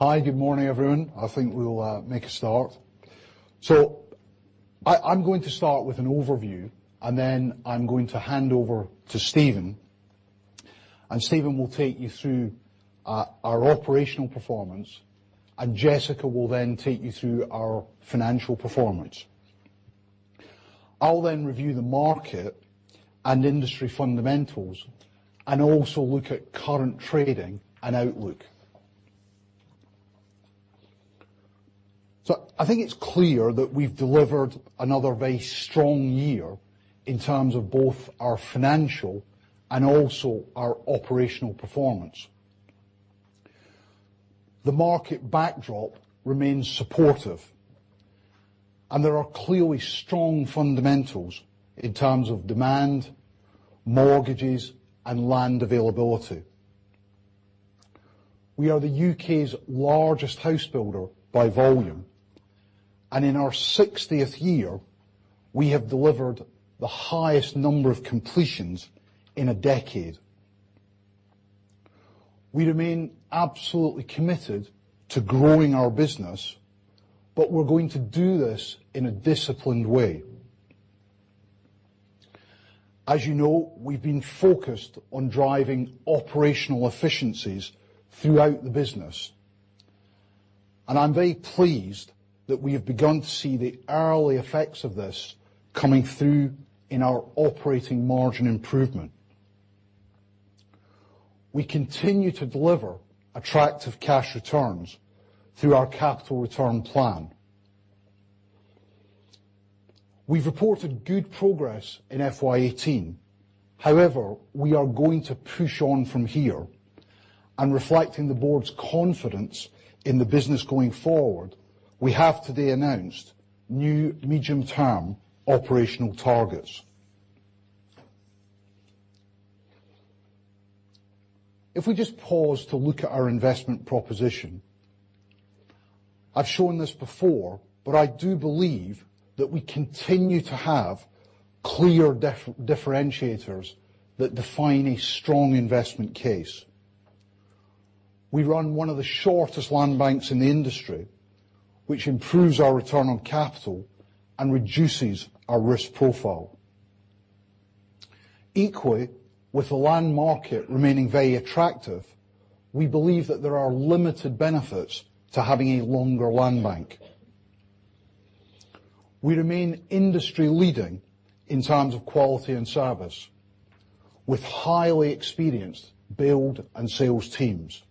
Hi, good morning, everyone. I think we will make a start. I'm going to start with an overview. Then I'm going to hand over to Steven, and Steven will take you through our operational performance. Jessica will then take you through our financial performance. I'll then review the market and industry fundamentals. Also look at current trading and outlook. I think it's clear that we've delivered another very strong year in terms of both our financial and also our operational performance. The market backdrop remains supportive. There are clearly strong fundamentals in terms of demand, mortgages, and land availability. We are the U.K.'s largest house builder by volume, and in our 60th year, we have delivered the highest number of completions in a decade. We remain absolutely committed to growing our business, but we're going to do this in a disciplined way. As you know, we've been focused on driving operational efficiencies throughout the business. I'm very pleased that we have begun to see the early effects of this coming through in our operating margin improvement. We continue to deliver attractive cash returns through our capital return plan. We've reported good progress in FY 2018. However, we are going to push on from here. Reflecting the board's confidence in the business going forward, we have today announced new medium-term operational targets. If we just pause to look at our investment proposition, I've shown this before, but I do believe that we continue to have clear differentiators that define a strong investment case. We run one of the shortest land banks in the industry, which improves our return on capital and reduces our risk profile. Equally, with the land market remaining very attractive, we believe that there are limited benefits to having a longer land bank. We remain industry leading in terms of quality and service, with highly experienced build and sales teams.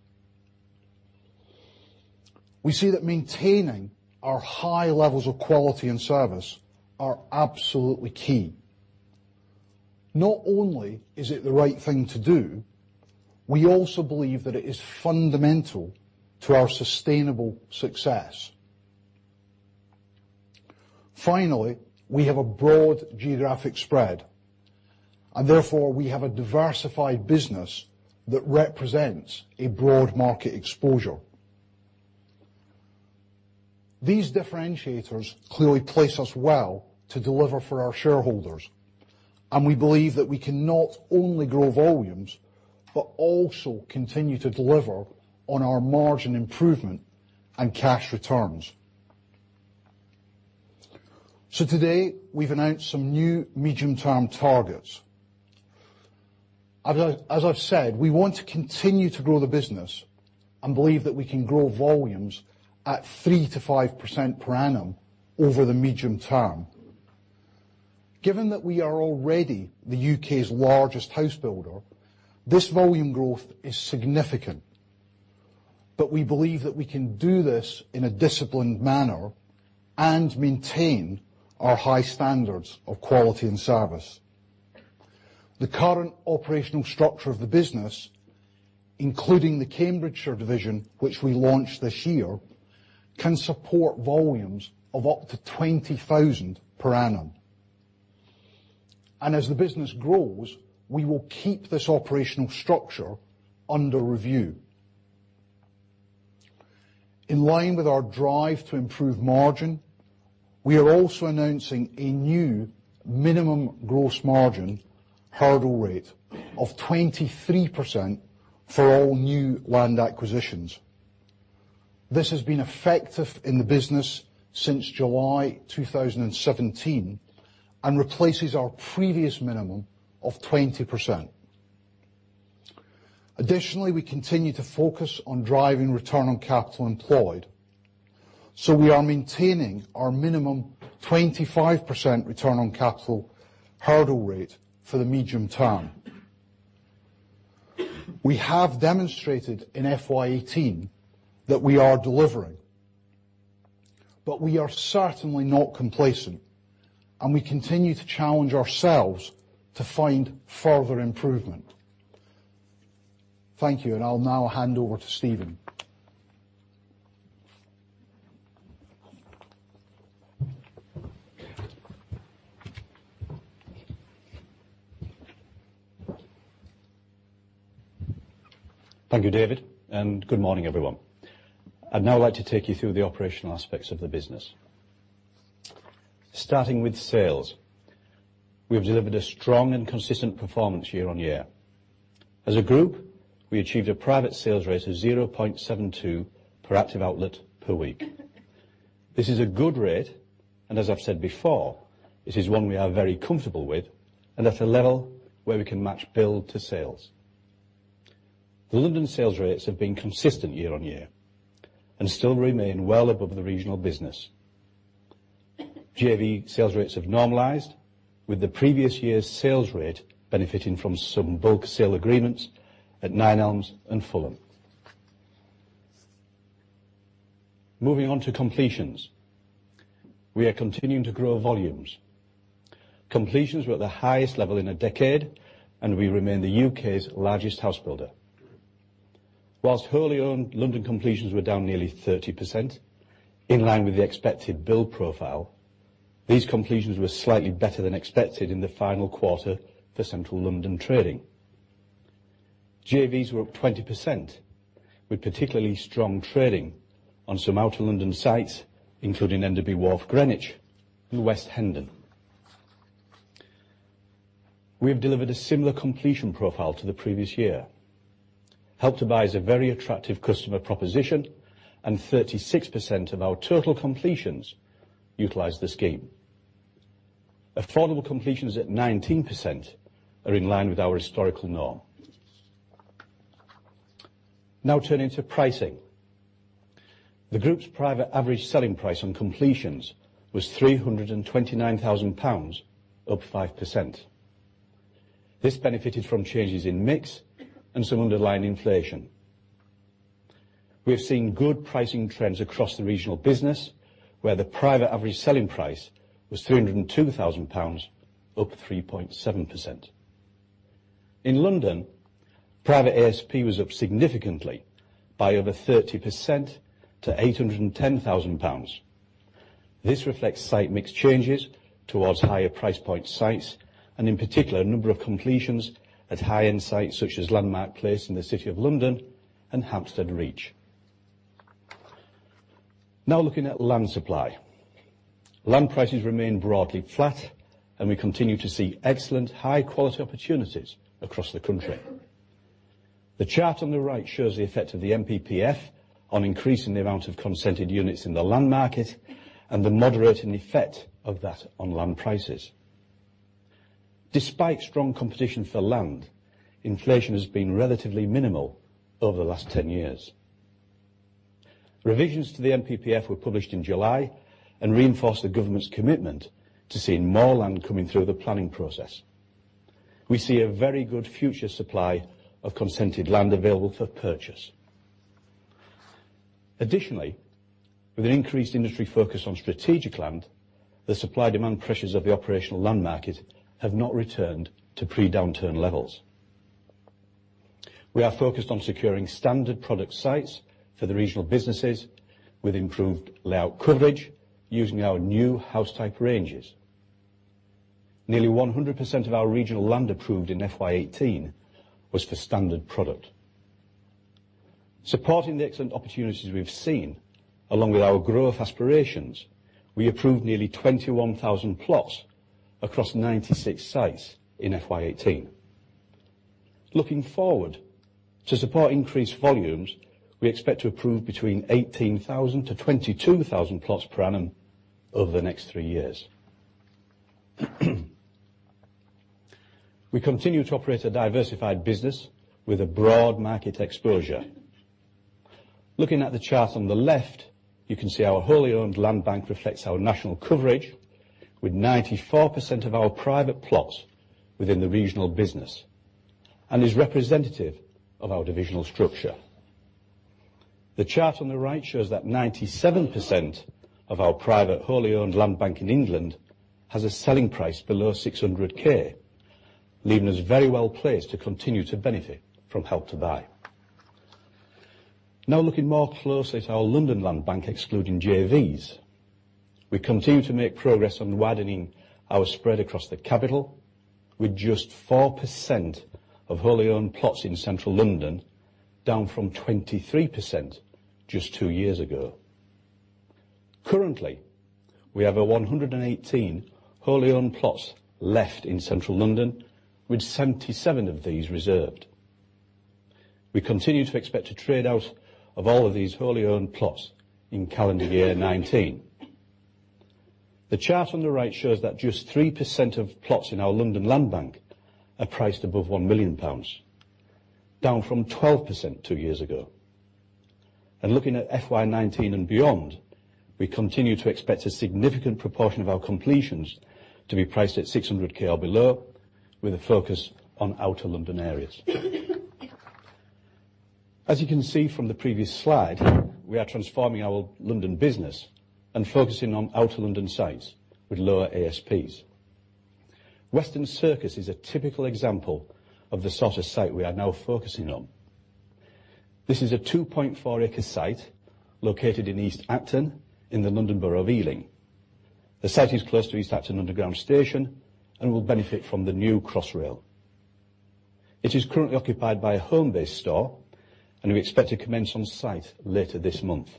We see that maintaining our high levels of quality and service are absolutely key. Not only is it the right thing to do, we also believe that it is fundamental to our sustainable success. Finally, we have a broad geographic spread. Therefore, we have a diversified business that represents a broad market exposure. These differentiators clearly place us well to deliver for our shareholders. We believe that we can not only grow volumes, but also continue to deliver on our margin improvement and cash returns. Today, we've announced some new medium-term targets. As I've said, we want to continue to grow the business. We believe that we can grow volumes at 3%-5% per annum over the medium term. Given that we are already the U.K.'s largest house builder, this volume growth is significant. We believe that we can do this in a disciplined manner and maintain our high standards of quality and service. The current operational structure of the business, including the Cambridgeshire division, which we launched this year, can support volumes of up to 20,000 per annum. As the business grows, we will keep this operational structure under review. In line with our drive to improve margin, we are also announcing a new minimum gross margin hurdle rate of 23% for all new land acquisitions. This has been effective in the business since July 2017 and replaces our previous minimum of 20%. Additionally, we continue to focus on driving return on capital employed, so we are maintaining our minimum 25% return on capital hurdle rate for the medium term. We have demonstrated in FY 2018 that we are delivering, but we are certainly not complacent, and we continue to challenge ourselves to find further improvement. Thank you, and I'll now hand over to Steven. Thank you, David, and good morning, everyone. I'd now like to take you through the operational aspects of the business. Starting with sales. We have delivered a strong and consistent performance year-on-year. As a group, we achieved a private sales rate of 0.72 per active outlet per week. This is a good rate, and as I've said before, this is one we are very comfortable with, and at a level where we can match build to sales. The London sales rates have been consistent year-on-year and still remain well above the regional business. JV sales rates have normalized with the previous year's sales rate benefiting from some bulk sale agreements at Nine Elms and Fulham. Moving on to completions. We are continuing to grow volumes. Completions were at their highest level in a decade, and we remain the U.K.'s largest house builder. Whilst wholly owned London completions were down nearly 30%, in line with the expected build profile, these completions were slightly better than expected in the final quarter for central London trading. JVs were up 20% with particularly strong trading on some outer London sites, including Enderby Wharf, Greenwich, and West Hendon. We have delivered a similar completion profile to the previous year. Help to Buy is a very attractive customer proposition, and 36% of our total completions utilize the scheme. Affordable completions at 19% are in line with our historical norm. Now turning to pricing. The group's private average selling price on completions was 329,000 pounds, up 5%. This benefited from changes in mix and some underlying inflation. We have seen good pricing trends across the regional business, where the private average selling price was 302,000 pounds, up 3.7%. In London, private ASP was up significantly by over 30% to 810,000 pounds. This reflects site mix changes towards higher price point sites and in particular, a number of completions at high-end sites such as Landmark Place in the City of London and Hampstead Reach. Now looking at land supply. Land prices remain broadly flat, and we continue to see excellent high-quality opportunities across the country. The chart on the right shows the effect of the NPPF on increasing the amount of consented units in the land market and the moderating effect of that on land prices. Despite strong competition for land, inflation has been relatively minimal over the last 10 years. Revisions to the NPPF were published in July and reinforce the government's commitment to seeing more land coming through the planning process. We see a very good future supply of consented land available for purchase. Additionally, with an increased industry focus on strategic land, the supply-demand pressures of the operational land market have not returned to pre-downturn levels. We are focused on securing standard product sites for the regional businesses with improved layout coverage using our new house type ranges. Nearly 100% of our regional land approved in FY 2018 was for standard product. Supporting the excellent opportunities we've seen, along with our growth aspirations, we approved nearly 21,000 plots across 96 sites in FY 2018. Looking forward, to support increased volumes, we expect to approve between 18,000-22,000 plots per annum over the next three years. We continue to operate a diversified business with a broad market exposure. Looking at the chart on the left, you can see our wholly owned land bank reflects our national coverage with 94% of our private plots within the regional business and is representative of our divisional structure. The chart on the right shows that 97% of our private wholly owned land bank in England has a selling price below 600,000, leaving us very well placed to continue to benefit from Help to Buy. Now looking more closely at our London land bank, excluding JVs. We continue to make progress on widening our spread across the capital with just 4% of wholly owned plots in central London, down from 23% just two years ago. Currently, we have 118 wholly owned plots left in central London, with 77 of these reserved. We continue to expect to trade out of all of these wholly owned plots in calendar year 2019. The chart on the right shows that just 3% of plots in our London land bank are priced above 1 million pounds, down from 12% two years ago. Looking at FY 2019 and beyond, we continue to expect a significant proportion of our completions to be priced at 600,000 or below with a focus on outer London areas. As you can see from the previous slide, we are transforming our London business and focusing on outer London sites with lower ASPs. Western Circus is a typical example of the sort of site we are now focusing on. This is a 2.4 acre site located in East Acton in the London Borough of Ealing. The site is close to East Acton underground station and will benefit from the new Crossrail. It is currently occupied by a Homebase store, and we expect to commence on site later this month.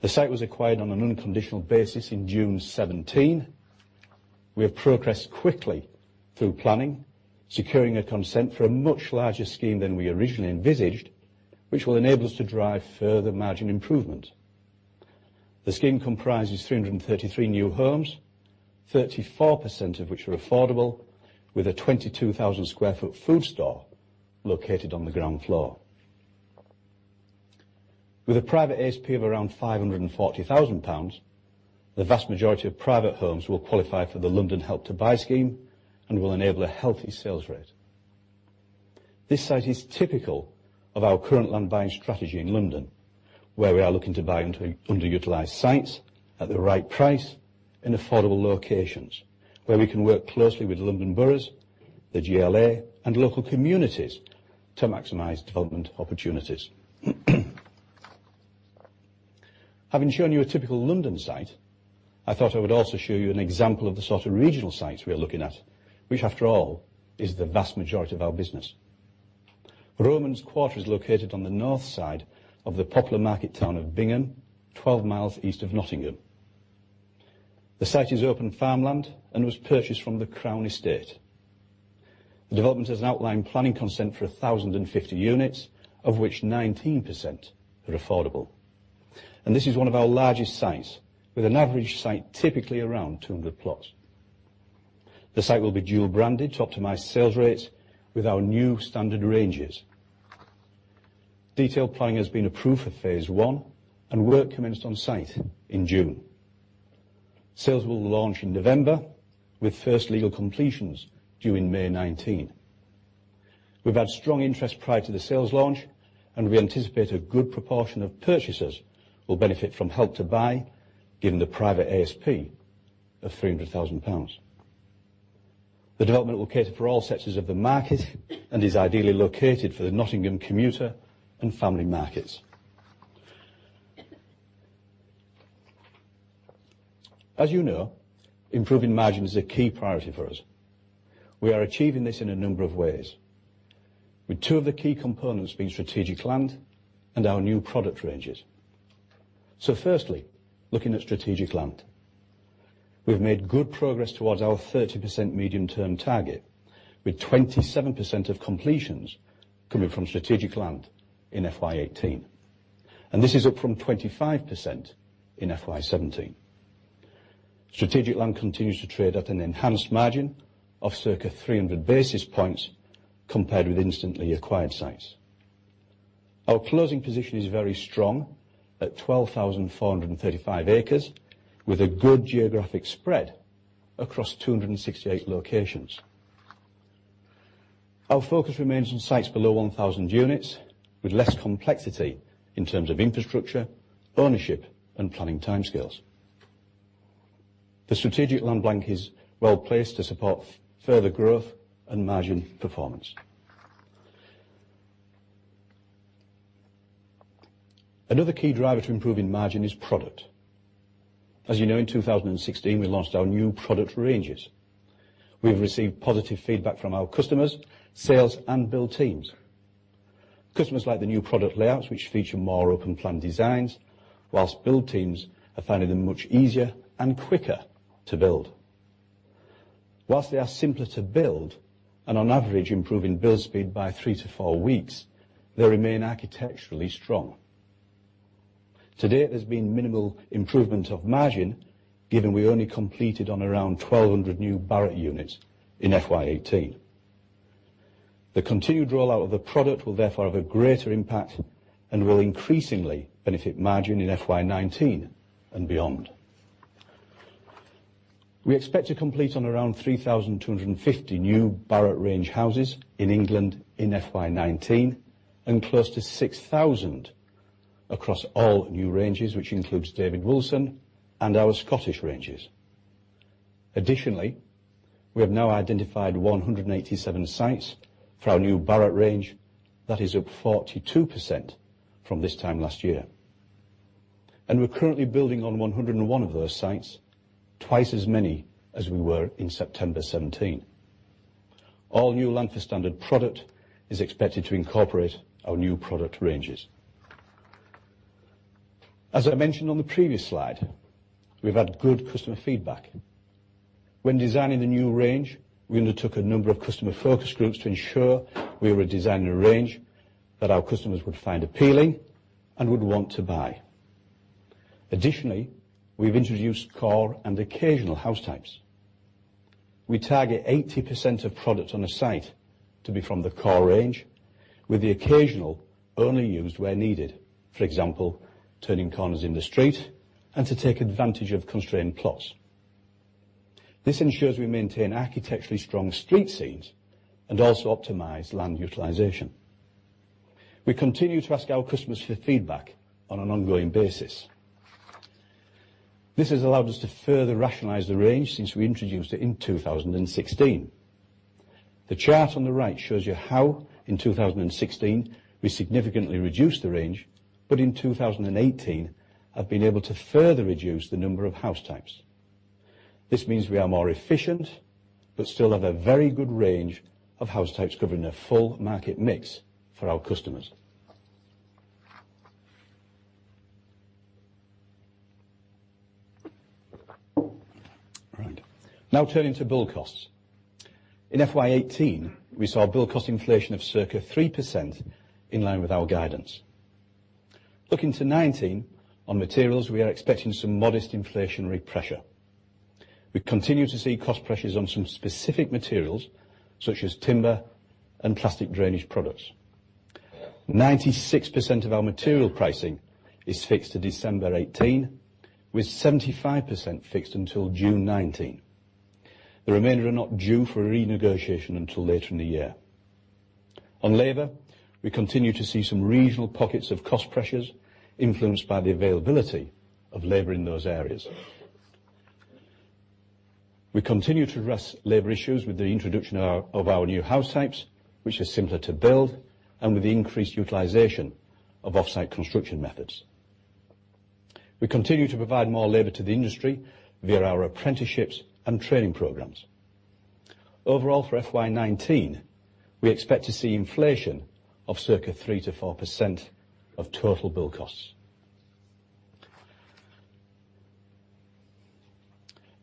The site was acquired on an unconditional basis in June 2017. We have progressed quickly through planning, securing a consent for a much larger scheme than we originally envisaged, which will enable us to drive further margin improvement. The scheme comprises 333 new homes, 34% of which are affordable, with a 22,000 sq ft food store located on the ground floor. With a private ASP of around 540,000 pounds, the vast majority of private homes will qualify for the London Help to Buy scheme and will enable a healthy sales rate. This site is typical of our current land buying strategy in London, where we are looking to buy underutilized sites at the right price in affordable locations, where we can work closely with London boroughs, the GLA, and local communities to maximize development opportunities. Having shown you a typical London site, I thought I would also show you an example of the sort of regional sites we are looking at, which, after all, is the vast majority of our business. Romans Quarter is located on the north side of the popular market town of Bingham, 12 miles east of Nottingham. The site is open farmland and was purchased from the Crown Estate. The development has an outlined planning consent for 1,050 units, of which 19% are affordable. This is one of our largest sites, with an average site typically around 200 plots. The site will be dual branded to optimize sales rates with our new standard ranges. Detailed planning has been approved for phase 1, and work commenced on site in June. Sales will launch in November, with first legal completions due in May 2019. We've had strong interest prior to the sales launch, and we anticipate a good proportion of purchasers will benefit from Help to Buy, given the private ASP of 300,000 pounds. The development will cater for all sectors of the market and is ideally located for the Nottingham commuter and family markets. As you know, improving margin is a key priority for us. We are achieving this in a number of ways, with two of the key components being strategic land and our new product ranges. Firstly, looking at strategic land. We've made good progress towards our 30% medium-term target, with 27% of completions coming from strategic land in FY 2018, and this is up from 25% in FY 2017. Strategic land continues to trade at an enhanced margin of circa 300 basis points compared with instantly acquired sites. Our closing position is very strong at 12,435 acres, with a good geographic spread across 268 locations. Our focus remains on sites below 1,000 units, with less complexity in terms of infrastructure, ownership, and planning timescales. The strategic land bank is well placed to support further growth and margin performance. Another key driver to improving margin is product. As you know, in 2016 we launched our new product ranges. We've received positive feedback from our customers, sales, and build teams. Customers like the new product layouts which feature more open plan designs, whilst build teams are finding them much easier and quicker to build. Whilst they are simpler to build, and on average improving build speed by three to four weeks, they remain architecturally strong. To date, there's been minimal improvement of margin, given we only completed on around 1,200 new Barratt units in FY 2018. The continued rollout of the product will therefore have a greater impact and will increasingly benefit margin in FY 2019 and beyond. We expect to complete on around 3,250 new Barratt range houses in England in FY 2019, and close to 6,000 across all new ranges, which includes David Wilson and our Scottish ranges. Additionally, we have now identified 187 sites for our new Barratt range. That is up 42% from this time last year. We're currently building on 101 of those sites, twice as many as we were in September 2017. All new land for standard product is expected to incorporate our new product ranges. As I mentioned on the previous slide, we've had good customer feedback. When designing the new range, we undertook a number of customer focus groups to ensure we were designing a range that our customers would find appealing and would want to buy. Additionally, we've introduced core and occasional house types. We target 80% of products on a site to be from the core range, with the occasional only used where needed. For example, turning corners in the street and to take advantage of constrained plots. This ensures we maintain architecturally strong street scenes and also optimize land utilization. We continue to ask our customers for feedback on an ongoing basis. This has allowed us to further rationalize the range since we introduced it in 2016. The chart on the right shows you how in 2016 we significantly reduced the range, but in 2018 have been able to further reduce the number of house types. This means we are more efficient, but still have a very good range of house types covering a full market mix for our customers. All right. Turning to build costs. In FY 2018, we saw build cost inflation of circa 3%, in line with our guidance. Looking to 2019, on materials, we are expecting some modest inflationary pressure. We continue to see cost pressures on some specific materials, such as timber and plastic drainage products. 96% of our material pricing is fixed to December 2018, with 75% fixed until June 2019. The remainder are not due for renegotiation until later in the year. On labor, we continue to see some regional pockets of cost pressures influenced by the availability of labor in those areas. We continue to address labor issues with the introduction of our new house types, which are simpler to build, and with the increased utilization of offsite construction methods. We continue to provide more labor to the industry via our apprenticeships and training programs. Overall, for FY 2019, we expect to see inflation of circa 3%-4% of total build costs.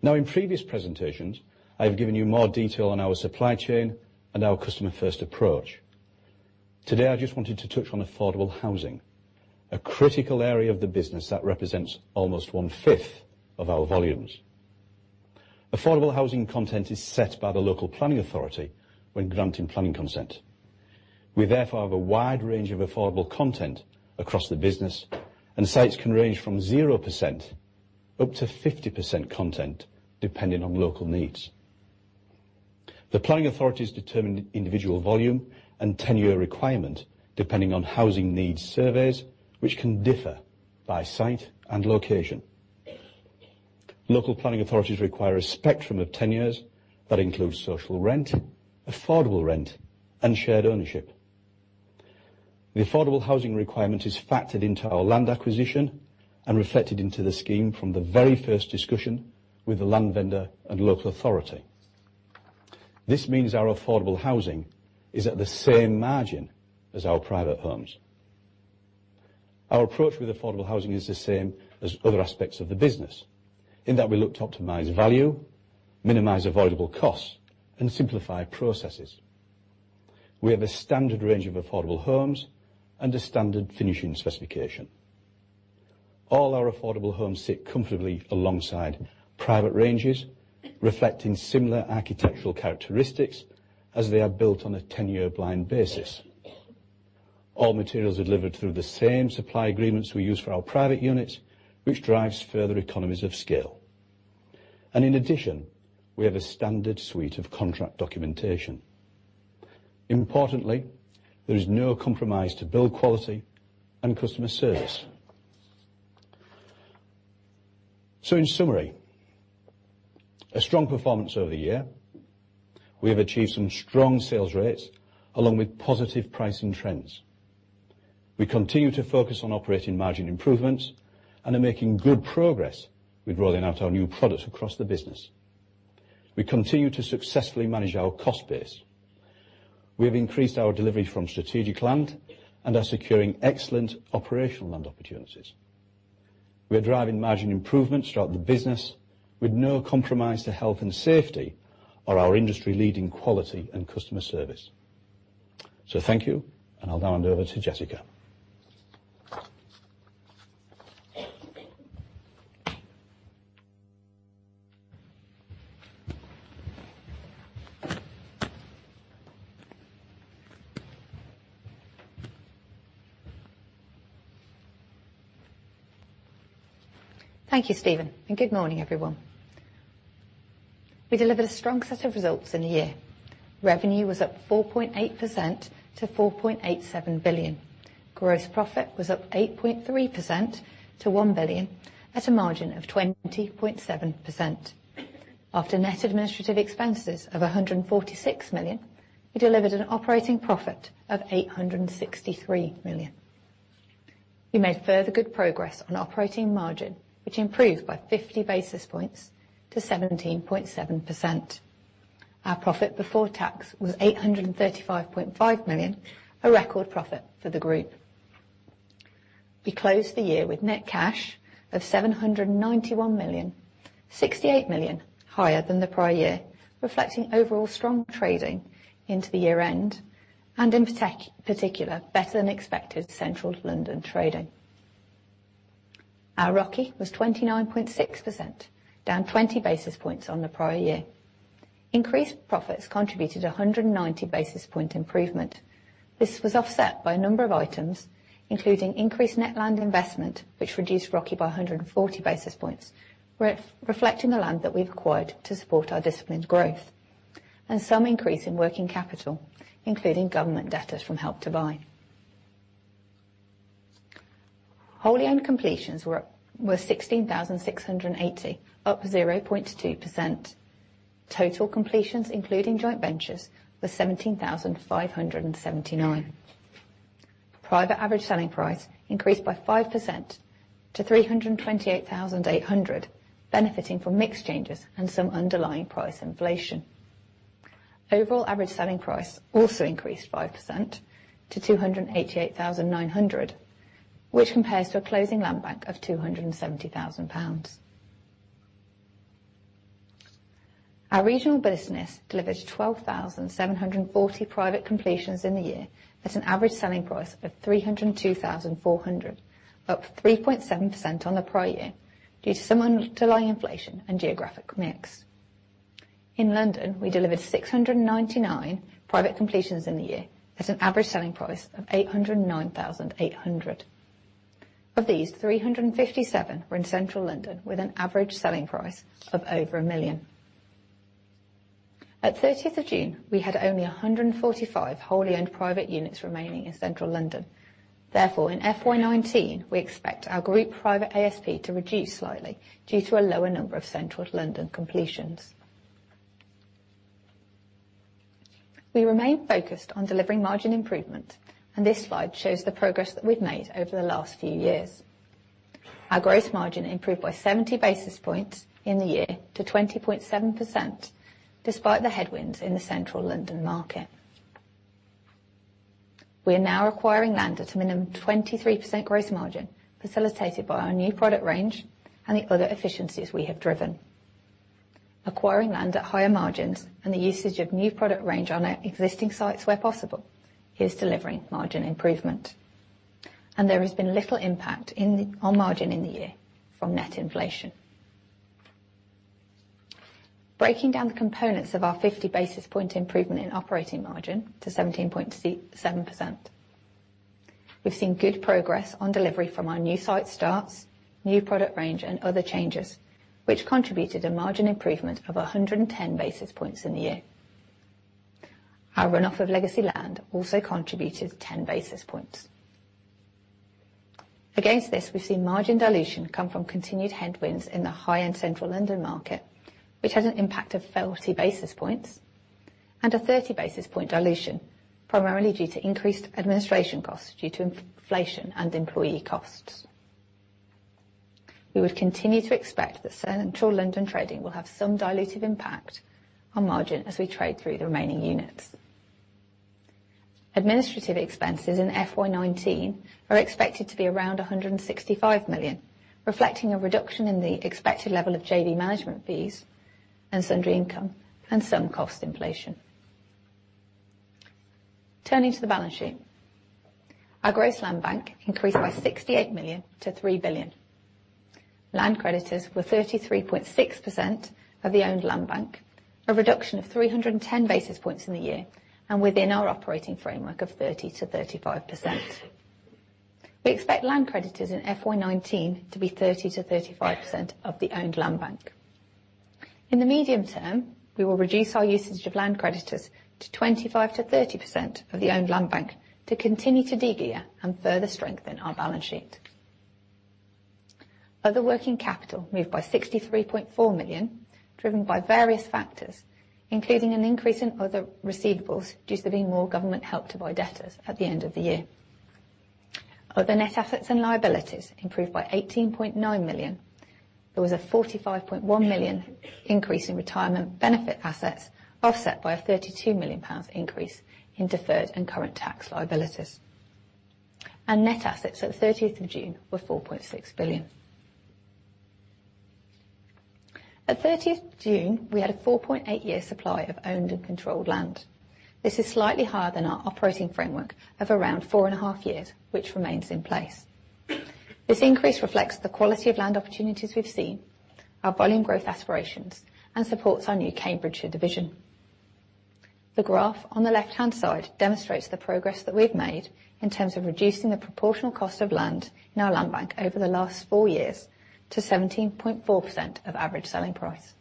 In previous presentations, I have given you more detail on our supply chain and our customer-first approach. Today, I just wanted to touch on affordable housing, a critical area of the business that represents almost one-fifth of our volumes. Affordable housing content is set by the local planning authority when granting planning consent. We therefore have a wide range of affordable content across the business, and sites can range from 0% up to 50% content depending on local needs. The planning authorities determine individual volume and tenure requirement depending on housing needs surveys, which can differ by site and location. Local planning authorities require a spectrum of tenures that includes social rent, affordable rent, and shared ownership. The affordable housing requirement is factored into our land acquisition and reflected into the scheme from the very first discussion with the land vendor and local authority. This means our affordable housing is at the same margin as our private homes. Our approach with affordable housing is the same as other aspects of the business, in that we look to optimize value, minimize avoidable costs, and simplify processes. We have a standard range of affordable homes and a standard finishing specification. All our affordable homes sit comfortably alongside private ranges, reflecting similar architectural characteristics, as they are built on a tenure-blind basis. All materials are delivered through the same supply agreements we use for our private units, which drives further economies of scale. In addition, we have a standard suite of contract documentation. Importantly, there is no compromise to build quality and customer service. In summary, a strong performance over the year. We have achieved some strong sales rates along with positive pricing trends. We continue to focus on operating margin improvements and are making good progress with rolling out our new products across the business. We continue to successfully manage our cost base. We have increased our delivery from strategic land and are securing excellent operational land opportunities. We are driving margin improvements throughout the business with no compromise to health and safety or our industry-leading quality and customer service. Thank you, and I'll hand over to Jessica. Thank you, Steven, and good morning, everyone. We delivered a strong set of results in the year. Revenue was up 4.8% to 4.87 billion. Gross profit was up 8.3% to 1 billion at a margin of 20.7%. After net administrative expenses of 146 million, we delivered an operating profit of 863 million. We made further good progress on operating margin, which improved by 50 basis points to 17.7%. Our profit before tax was 835.5 million, a record profit for the group. We closed the year with net cash of 791 million, 68 million higher than the prior year, reflecting overall strong trading into the year-end and, in particular, better than expected central London trading. Our ROCE was 29.6%, down 20 basis points on the prior year. Increased profits contributed 190 basis point improvement. This was offset by a number of items, including increased net land investment, which reduced ROCE by 140 basis points, reflecting the land that we've acquired to support our disciplined growth, and some increase in working capital, including government debtors from Help to Buy. Wholly owned completions were 16,680, up 0.2%. Total completions, including joint ventures, were 17,579. Private average selling price increased by 5% to 328,800, benefiting from mix changes and some underlying price inflation. Overall average selling price also increased 5% to 288,900, which compares to a closing land bank of 270,000 pounds. Our regional business delivered 12,740 private completions in the year at an average selling price of 302,400, up 3.7% on the prior year due to some underlying inflation and geographic mix. In London, we delivered 699 private completions in the year at an average selling price of 809,800. Of these, 357 were in central London with an average selling price of over 1 million. At 30th of June, we had only 145 wholly owned private units remaining in central London. Therefore, in FY 2019, we expect our group private ASP to reduce slightly due to a lower number of central London completions. We remain focused on delivering margin improvement, and this slide shows the progress that we've made over the last few years. Our gross margin improved by 70 basis points in the year to 20.7%, despite the headwinds in the central London market. We are now acquiring land at a minimum 23% gross margin, facilitated by our new product range and the other efficiencies we have driven. Acquiring land at higher margins and the usage of new product range on our existing sites where possible is delivering margin improvement. There has been little impact on margin in the year from net inflation. Breaking down the components of our 50 basis point improvement in operating margin to 17.7%. We've seen good progress on delivery from our new site starts, new product range, and other changes, which contributed a margin improvement of 110 basis points in the year. Our runoff of legacy land also contributed 10 basis points. Against this, we've seen margin dilution come from continued headwinds in the high-end central London market, which has an impact of 30 basis points and a 30 basis point dilution, primarily due to increased administration costs due to inflation and employee costs. We would continue to expect that central London trading will have some dilutive impact on margin as we trade through the remaining units. Administrative expenses in FY 2019 are expected to be around 165 million, reflecting a reduction in the expected level of JV management fees and sundry income, and some cost inflation. Turning to the balance sheet. Our gross land bank increased by 68 million to 3 billion. Land creditors were 33.6% of the owned land bank, a reduction of 310 basis points in the year, and within our operating framework of 30%-35%. We expect land creditors in FY 2019 to be 30%-35% of the owned land bank. In the medium term, we will reduce our usage of land creditors to 25%-30% of the owned land bank to continue to de-gear and further strengthen our balance sheet. Other working capital moved by 63.4 million, driven by various factors, including an increase in other receivables due to there being more government Help to Buy debtors at the end of the year. Other net assets and liabilities improved by 18.9 million. There was a 45.1 million increase in retirement benefit assets, offset by a 32 million pounds increase in deferred and current tax liabilities. Net assets at 30th of June were 4.6 billion. At 30th June, we had a 4.8-year supply of owned and controlled land. This is slightly higher than our operating framework of around four and a half years, which remains in place. This increase reflects the quality of land opportunities we've seen, our volume growth aspirations, and supports our new Cambridgeshire division. The graph on the left-hand side demonstrates the progress that we've made in terms of reducing the proportional cost of land in our land bank over the last four years to 17.4% of average selling price.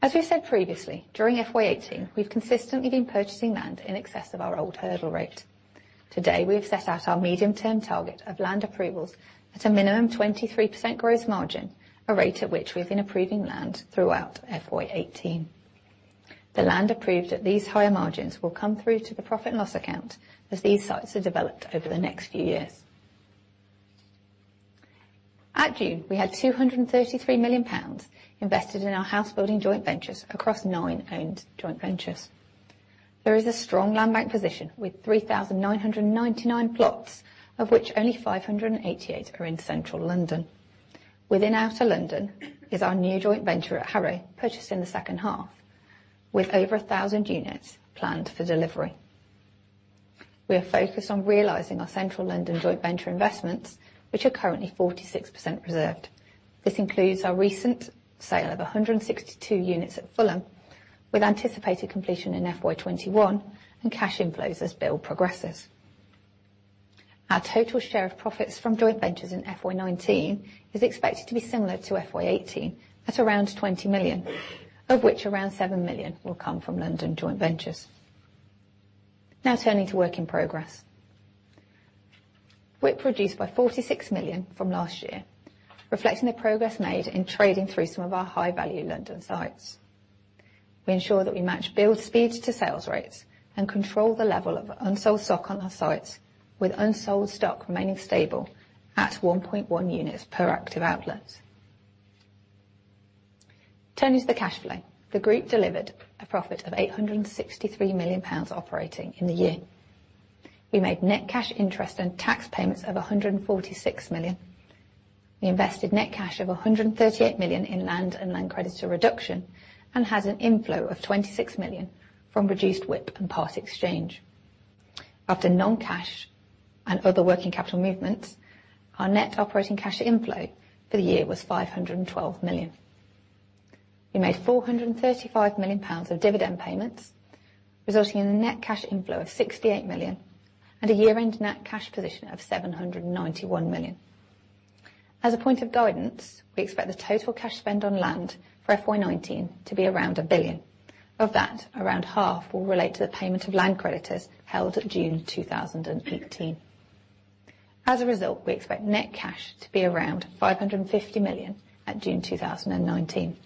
As we said previously, during FY 2018, we've consistently been purchasing land in excess of our old hurdle rate. Today, we have set out our medium-term target of land approvals at a minimum 23% gross margin, a rate at which we've been approving land throughout FY 2018. The land approved at these higher margins will come through to the profit loss account as these sites are developed over the next few years. At June, we had 233 million pounds invested in our housebuilding joint ventures across nine owned joint ventures. There is a strong land bank position with 3,999 plots, of which only 588 are in central London. Within outer London is our new joint venture at Harrow, purchased in the second half, with over 1,000 units planned for delivery. We are focused on realizing our central London joint venture investments, which are currently 46% reserved. This includes our recent sale of 162 units at Fulham, with anticipated completion in FY 2021 and cash inflows as build progresses. Our total share of profits from joint ventures in FY 2019 is expected to be similar to FY 2018 at around 20 million, of which around 7 million will come from London joint ventures. Turning to work in progress WIP reduced by 46 million from last year, reflecting the progress made in trading through some of our high-value London sites. We ensure that we match build speeds to sales rates and control the level of unsold stock on our sites, with unsold stock remaining stable at 1.1 units per active outlets. Turning to the cash flow. The group delivered a profit of 863 million pounds operating in the year. We made net cash interest and tax payments of 146 million. We invested net cash of 138 million in land and land credits to a reduction, and has an inflow of 26 million from reduced WIP and part exchange. After non-cash and other working capital movements, our net operating cash inflow for the year was 512 million. We made 335 million pounds of dividend payments, resulting in a net cash inflow of 68 million and a year-end net cash position of 791 million. As a point of guidance, we expect the total cash spend on land for FY 2019 to be around 1 billion. Of that, around half will relate to the payment of land creditors held at June 2018. As a result, we expect net cash to be around 550 million at June 2019.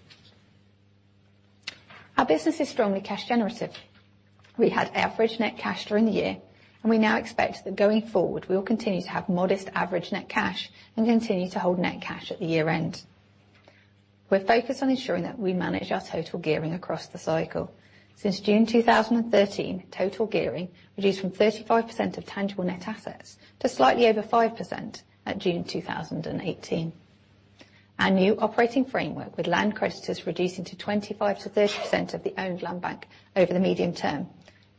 Our business is strongly cash generative. We had average net cash during the year, we now expect that going forward, we will continue to have modest average net cash and continue to hold net cash at the year end. We're focused on ensuring that we manage our total gearing across the cycle. Since June 2013, total gearing reduced from 35% of tangible net assets to slightly over 5% at June 2018. Our new operating framework, with land creditors reducing to 25%-30% of the owned land bank over the medium term,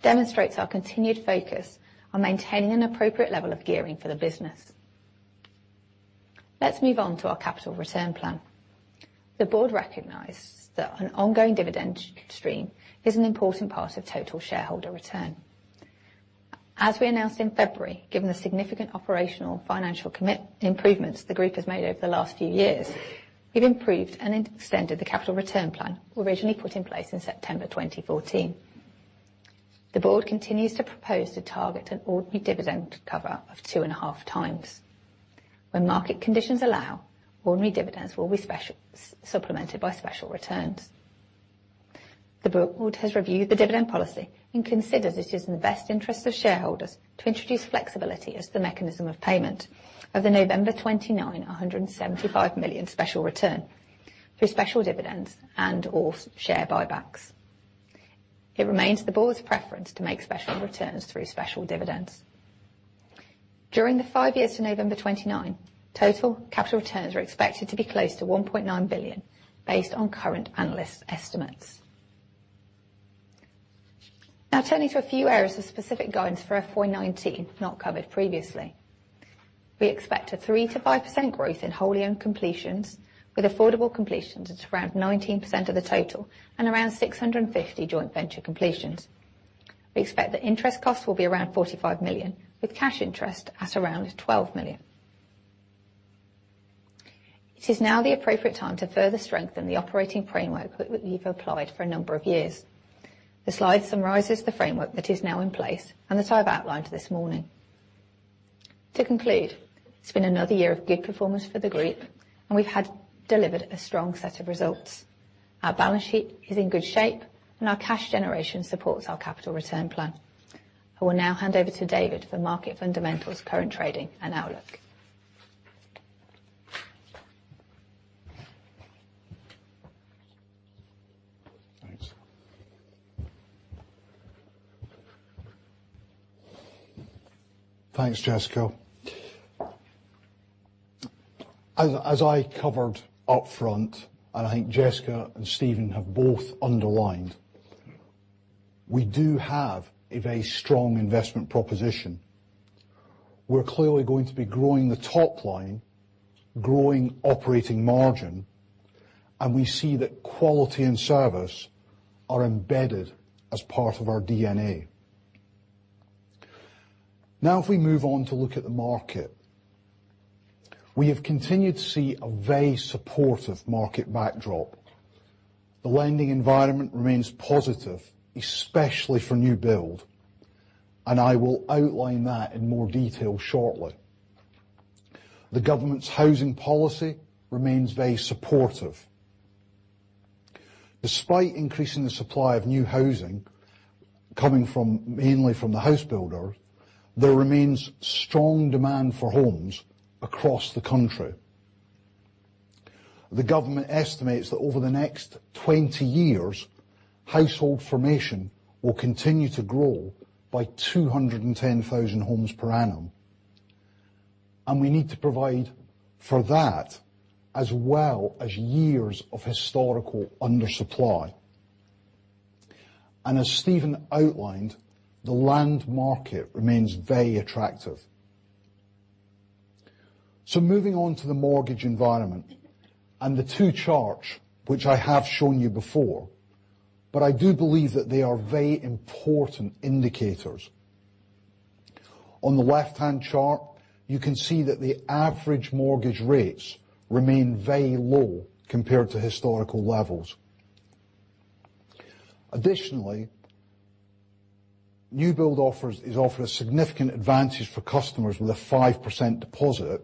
demonstrates our continued focus on maintaining an appropriate level of gearing for the business. Let's move on to our capital return plan. The board recognized that an ongoing dividend stream is an important part of total shareholder return. As we announced in February, given the significant operational financial improvements the group has made over the last few years, we've improved and extended the capital return plan originally put in place in September 2014. The board continues to propose to target an ordinary dividend cover of two and a half times. When market conditions allow, ordinary dividends will be supplemented by special returns. The board has reviewed the dividend policy and considers it is in the best interest of shareholders to introduce flexibility as the mechanism of payment of the November 29, 175 million special return through special dividends and/or share buybacks. It remains the board's preference to make special returns through special dividends. During the five years to November 29, total capital returns are expected to be close to 1.9 billion, based on current analyst estimates. Turning to a few areas of specific guidance for our FY 2019 not covered previously. We expect a 3%-5% growth in wholly owned completions, with affordable completions at around 19% of the total and around 650 joint venture completions. We expect that interest costs will be around 45 million, with cash interest at around 12 million. It is now the appropriate time to further strengthen the operating framework that we've applied for a number of years. The slide summarizes the framework that is now in place and that I've outlined this morning. To conclude, it's been another year of good performance for the group, and we've delivered a strong set of results. Our balance sheet is in good shape, and our cash generation supports our capital return plan. I will now hand over to David for market fundamentals, current trading, and outlook. Thanks, Jessica. As I covered up front, and I think Jessica and Steven have both underlined, we do have a very strong investment proposition. We're clearly going to be growing the top line, growing operating margin, and we see that quality and service are embedded as part of our DNA. If we move on to look at the market. We have continued to see a very supportive market backdrop. The lending environment remains positive, especially for new build, and I will outline that in more detail shortly. The government's housing policy remains very supportive. Despite increasing the supply of new housing coming mainly from the house builder, there remains strong demand for homes across the country. The government estimates that over the next 20 years, household formation will continue to grow by 210,000 homes per annum. We need to provide for that, as well as years of historical undersupply. As Steven outlined, the land market remains very attractive. Moving on to the mortgage environment and the two charts which I have shown you before, but I do believe that they are very important indicators. On the left-hand chart, you can see that the average mortgage rates remain very low compared to historical levels. Additionally, new build offer is often a significant advantage for customers with a 5% deposit.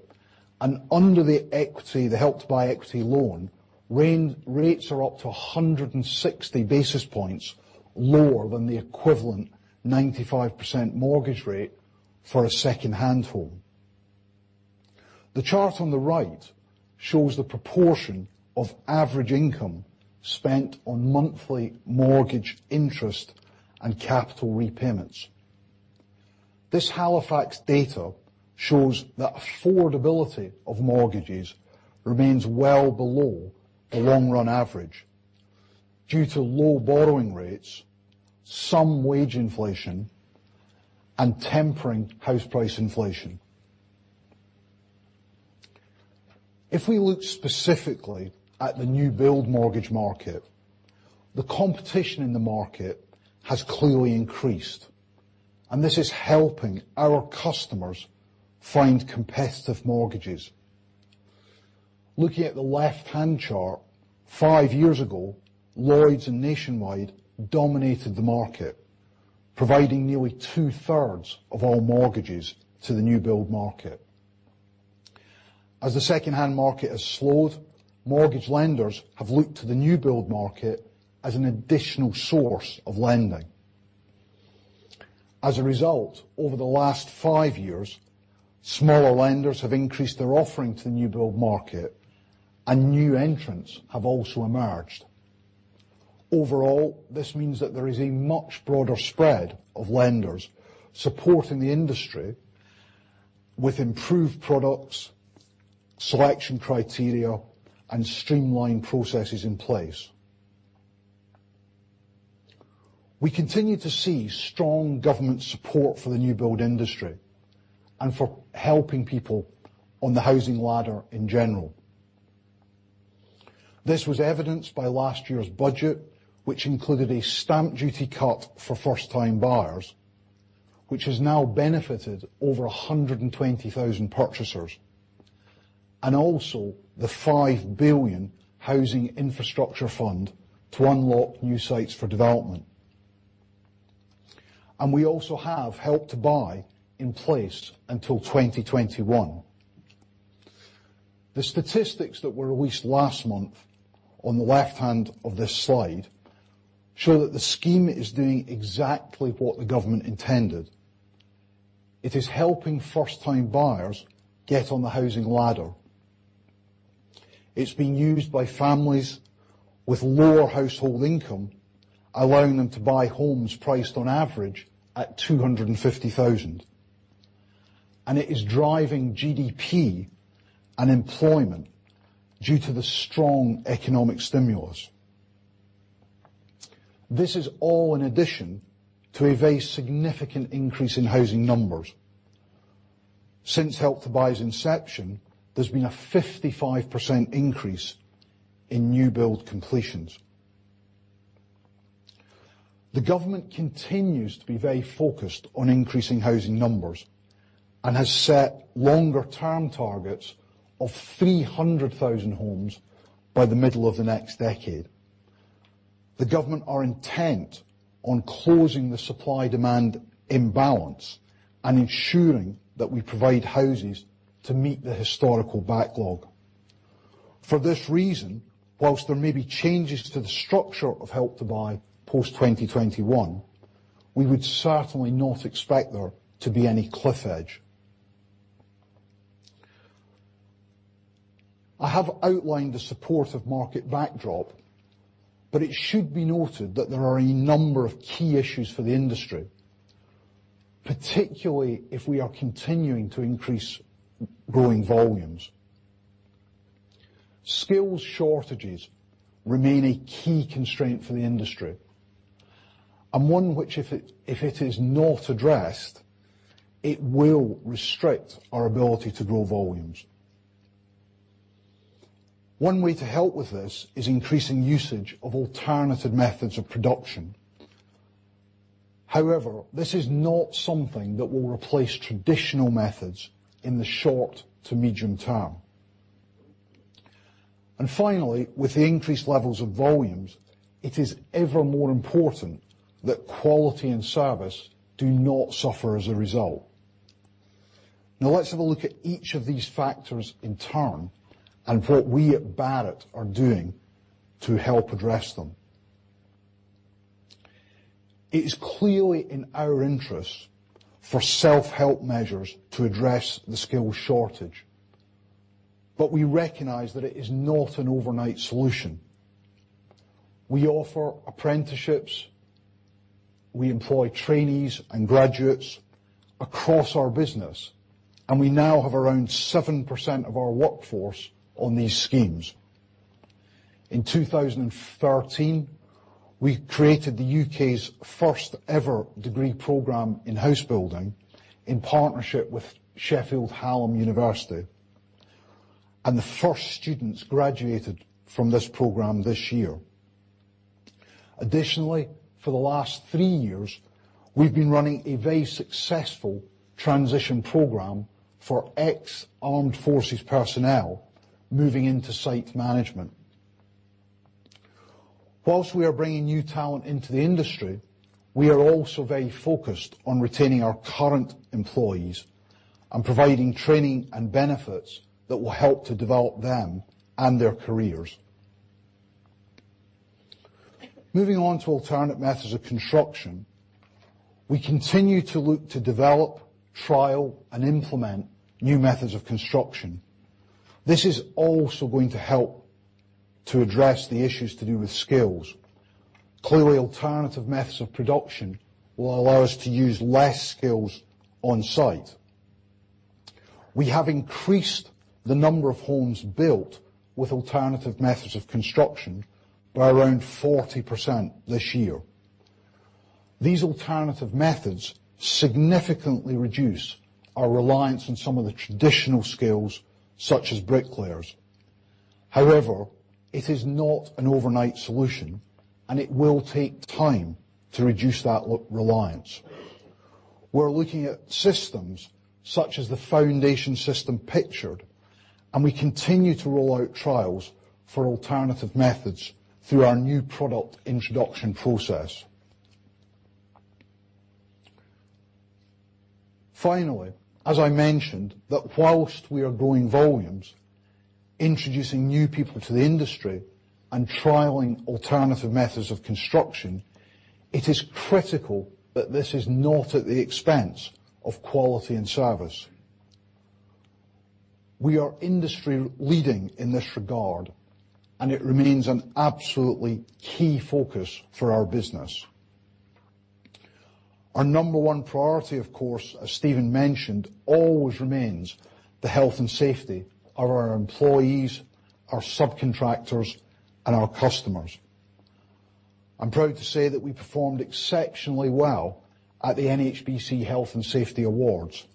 Under the equity, the Help to Buy equity loan, rates are up to 160 basis points lower than the equivalent 95% mortgage rate for a secondhand home. The chart on the right shows the proportion of average income spent on monthly mortgage interest and capital repayments. This Halifax data shows that affordability of mortgages remains well below the long-run average due to low borrowing rates, some wage inflation, and tempering house price inflation. If we look specifically at the new build mortgage market, the competition in the market has clearly increased, and this is helping our customers find competitive mortgages. Looking at the left-hand chart, five years ago, Lloyds and Nationwide dominated the market, providing nearly two-thirds of all mortgages to the new build market. As the secondhand market has slowed, mortgage lenders have looked to the new build market as an additional source of lending. As a result, over the last five years, smaller lenders have increased their offering to the new build market, and new entrants have also emerged. Overall, this means that there is a much broader spread of lenders supporting the industry with improved products, selection criteria, and streamlined processes in place. We continue to see strong government support for the new build industry and for helping people on the housing ladder in general. This was evidenced by last year's budget, which included a stamp duty cut for first-time buyers, which has now benefited over 120,000 purchasers. Also the 5 billion housing infrastructure fund to unlock new sites for development. We also have Help to Buy in place until 2021. The statistics that were released last month on the left hand of this slide show that the scheme is doing exactly what the government intended. It is helping first-time buyers get on the housing ladder. It's been used by families with lower household income, allowing them to buy homes priced on average at 250,000. It is driving GDP and employment due to the strong economic stimulus. This is all in addition to a very significant increase in housing numbers. Since Help to Buy's inception, there's been a 55% increase in new build completions. The government continues to be very focused on increasing housing numbers and has set longer term targets of 300,000 homes by the middle of the next decade. The government are intent on closing the supply-demand imbalance and ensuring that we provide houses to meet the historical backlog. For this reason, whilst there may be changes to the structure of Help to Buy post 2021, we would certainly not expect there to be any cliff edge. I have outlined the support of market backdrop, but it should be noted that there are a number of key issues for the industry, particularly if we are continuing to increase growing volumes. Skills shortages remain a key constraint for the industry, and one which if it is not addressed, it will restrict our ability to grow volumes. One way to help with this is increasing usage of alternative methods of production. However, this is not something that will replace traditional methods in the short to medium term. Finally, with the increased levels of volumes, it is ever more important that quality and service do not suffer as a result. Now, let's have a look at each of these factors in turn and what we at Barratt are doing to help address them. It is clearly in our interest for self-help measures to address the skills shortage, but we recognize that it is not an overnight solution. We offer apprenticeships, we employ trainees and graduates across our business, and we now have around 7% of our workforce on these schemes. In 2013, we created the U.K.'s first ever degree program in house building in partnership with Sheffield Hallam University. The first students graduated from this program this year. Additionally, for the last three years, we've been running a very successful transition program for ex-armed forces personnel moving into site management. Whilst we are bringing new talent into the industry, we are also very focused on retaining our current employees and providing training and benefits that will help to develop them and their careers. Moving on to alternative methods of construction. We continue to look to develop, trial, and implement new methods of construction. This is also going to help to address the issues to do with skills. Clearly, alternative methods of production will allow us to use less skills on site. We have increased the number of homes built with alternative methods of construction by around 40% this year. These alternative methods significantly reduce our reliance on some of the traditional skills, such as bricklayers. However, it is not an overnight solution, and it will take time to reduce that reliance. We're looking at systems such as the foundation system pictured, and we continue to roll out trials for alternative methods through our new product introduction process. Finally, as I mentioned, that whilst we are growing volumes, introducing new people to the industry, and trialing alternative methods of construction, it is critical that this is not at the expense of quality and service. We are industry leading in this regard, and it remains an absolutely key focus for our business. Our number one priority, of course, as Steven mentioned, always remains the health and safety of our employees, our subcontractors, and our customers. I'm proud to say that we performed exceptionally well at the NHBC Health and Safety Awards,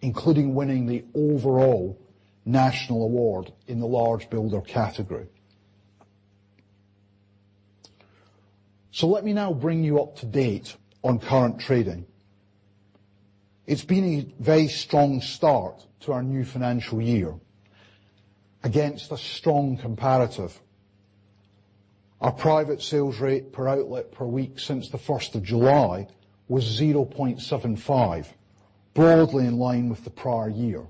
including winning the overall national award in the large builder category. Let me now bring you up to date on current trading. It's been a very strong start to our new financial year against a strong comparative. Our private sales rate per outlet per week since the 1st of July was 0.75, broadly in line with the prior year.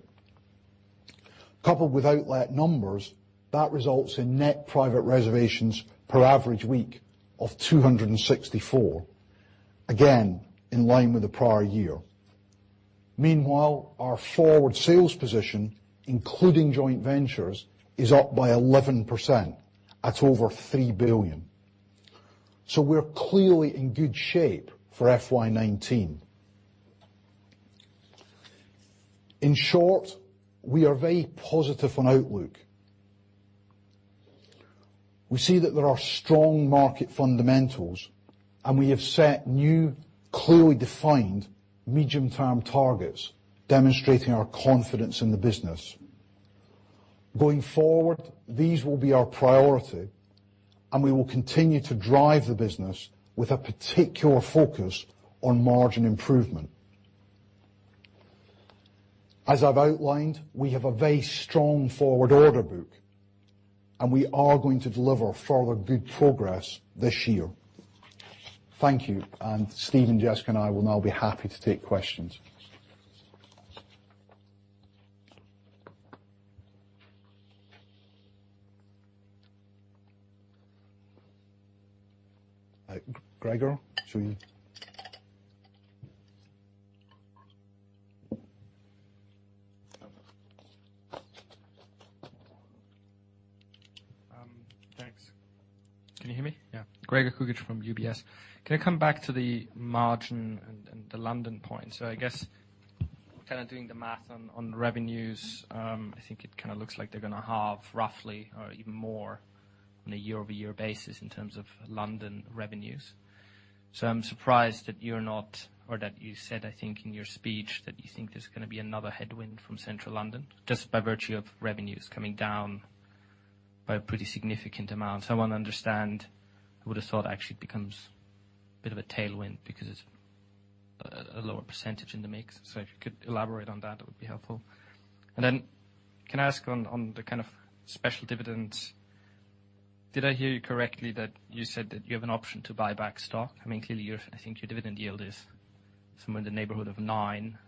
Coupled with outlet numbers, that results in net private reservations per average week of 264, again in line with the prior year. Meanwhile, our forward sales position, including joint ventures, is up by 11% at over 3 billion. We're clearly in good shape for FY 2019. In short, we are very positive on outlook. We see that there are strong market fundamentals, and we have set new, clearly defined medium-term targets demonstrating our confidence in the business. Going forward, these will be our priority, and we will continue to drive the business with a particular focus on margin improvement. As I've outlined, we have a very strong forward order book, and we are going to deliver further good progress this year. Thank you. Steven, Jessica, and I will now be happy to take questions. Gregor, should we Thanks. Can you hear me? Yeah. Gregor Kuglitsch from UBS. Can I come back to the margin and the London point? I guess doing the math on revenues, I think it looks like they're going to halve roughly or even more on a year-over-year basis in terms of London revenues. I'm surprised that you're not, or that you said, I think, in your speech that you think there's going to be another headwind from Central London, just by virtue of revenues coming down by a pretty significant amount. I want to understand. I would have thought it becomes a bit of a tailwind because it's a lower percentage in the mix. If you could elaborate on that, it would be helpful. Can I ask on the special dividends, did I hear you correctly that you said that you have an option to buy back stock? I mean, clearly, I think your dividend yield is somewhere in the neighborhood of 9,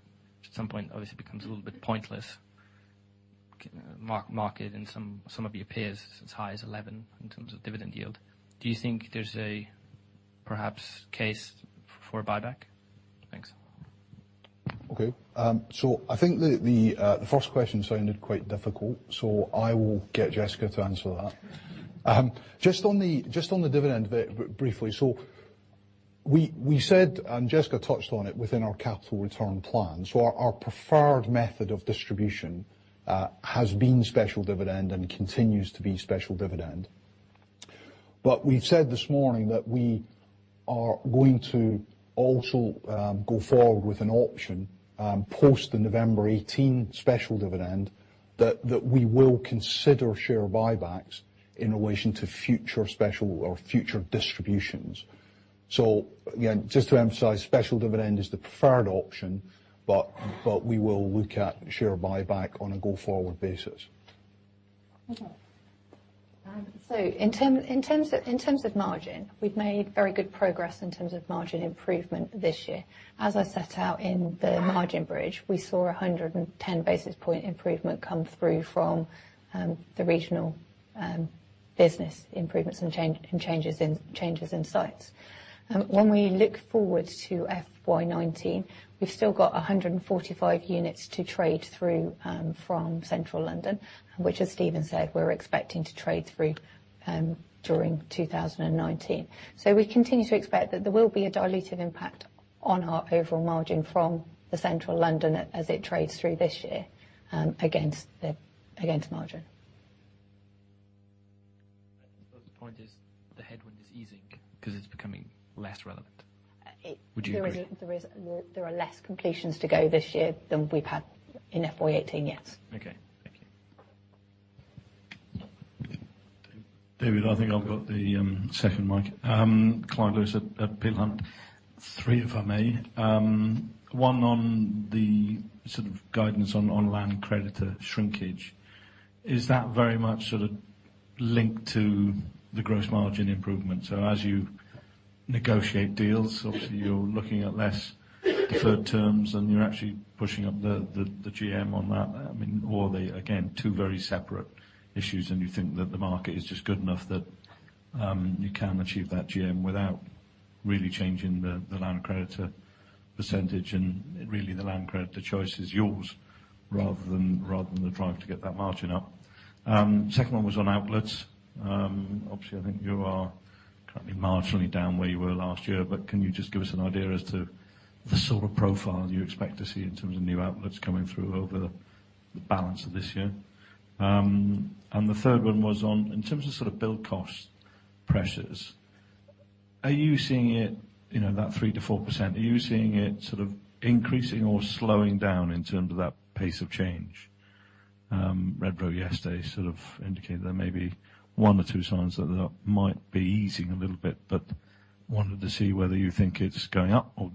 which at some point obviously becomes a little bit pointless. Market and some of your peers as high as 11 in terms of dividend yield. Do you think there's a perhaps case for buyback? Thanks. Okay. I think the first question sounded quite difficult, so I will get Jessica to answer that. Just on the dividend bit briefly. We said, and Jessica touched on it within our capital return plan. Our preferred method of distribution has been special dividend and continues to be special dividend. We've said this morning that we are going to also go forward with an option, post the November 18 special dividend, that we will consider share buybacks in relation to future special or future distributions. Again, just to emphasize, special dividend is the preferred option, but we will look at share buyback on a go-forward basis. Okay. In terms of margin, we've made very good progress in terms of margin improvement this year. As I set out in the margin bridge, we saw 110 basis point improvement come through from the regional business improvements and changes in sites. When we look forward to FY 2019, we've still got 145 units to trade through from Central London, which, as Steven said, we're expecting to trade through during 2019. We continue to expect that there will be a dilutive impact on our overall margin from the Central London as it trades through this year, against margin. I suppose the point is the headwind is easing because it's becoming less relevant. Would you agree? There are less completions to go this year than we've had in FY 2018, yes. Okay. Thank you. David, I think I've got the second mic. Clyde Lewis at Peel Hunt. Three, if I may. One on the sort of guidance on land creditor shrinkage. Is that very much sort of linked to the gross margin improvement? As you negotiate deals, obviously you're looking at less deferred terms and you're actually pushing up the GM on that. I mean, are they, again, two very separate issues and you think that the market is just good enough that you can achieve that GM without really changing the land creditor percentage and really the land creditor choice is yours rather than the drive to get that margin up. Second one was on outlets. I think you are currently marginally down where you were last year, but can you just give us an idea as to the sort of profile you expect to see in terms of new outlets coming through over the balance of this year? The third one was on, in terms of sort of build cost pressures, are you seeing it, that 3%-4%, are you seeing it sort of increasing or slowing down in terms of that pace of change? Redrow yesterday sort of indicated there may be one or two signs that might be easing a little bit, but wanted to see whether you think it's going up or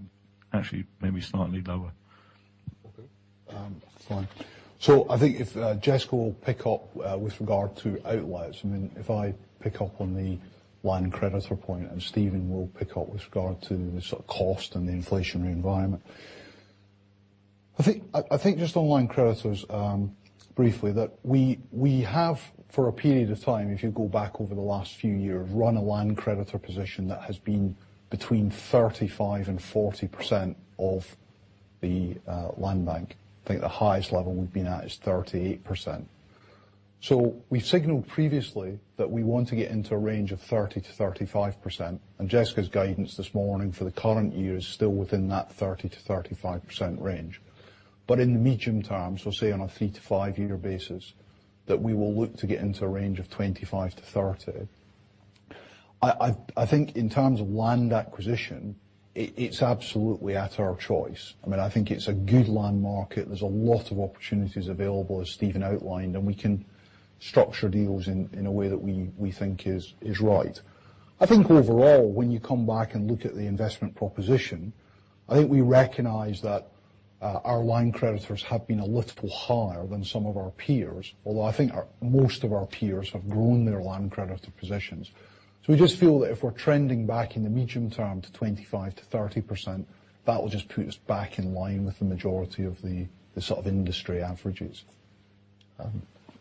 actually maybe slightly lower. Fine. I think if Jessica will pick up with regard to outlets. If I pick up on the land creditor point, and Steven will pick up with regard to the sort of cost and the inflationary environment. Just on land creditors, briefly, that we have, for a period of time, if you go back over the last few years, run a land creditor position that has been between 35%-40% of the land bank. I think the highest level we've been at is 38%. We signaled previously that we want to get into a range of 30%-35%, and Jessica's guidance this morning for the current year is still within that 30%-35% range. In the medium term, so say on a 3-5 year basis, that we will look to get into a range of 25%-30%. In terms of land acquisition, it's absolutely at our choice. I mean, I think it's a good land market. There's a lot of opportunities available, as Steven outlined, and we can structure deals in a way that we think is right. Overall, when you come back and look at the investment proposition, we recognize that our land creditors have been a little higher than some of our peers, although most of our peers have grown their land creditor positions. We just feel that if we're trending back in the medium term to 25%-30%, that will just put us back in line with the majority of the sort of industry averages.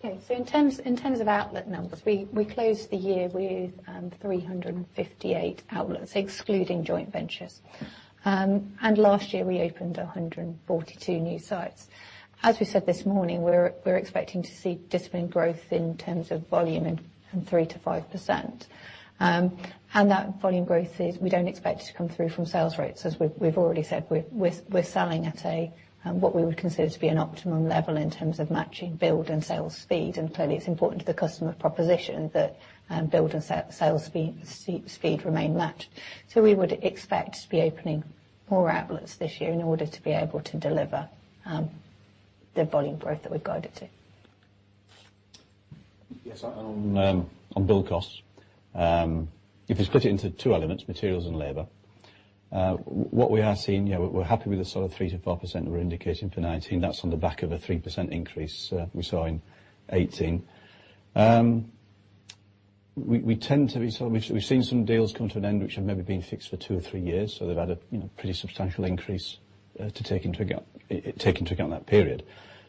Okay. In terms of outlet numbers, we closed the year with 358 outlets, excluding joint ventures. Last year, we opened 142 new sites. As we said this morning, we're expecting to see disciplined growth in terms of volume in 3%-5%. That volume growth, we don't expect it to come through from sales rates. As we've already said, we're selling at what we would consider to be an optimum level in terms of matching build and sales speed. Clearly, it's important to the customer proposition that build and sales speed remain matched. We would expect to be opening more outlets this year in order to be able to deliver the volume growth that we've guided to. Yes, on build costs. If you split it into 2 elements, materials and labor. What we are seeing, we're happy with the sort of 3%-4% we're indicating for 2019. That's on the back of a 3% increase we saw in 2018. We've seen some deals come to an end which have maybe been fixed for 2 or 3 years, so they've had a pretty substantial increase to take into account that period.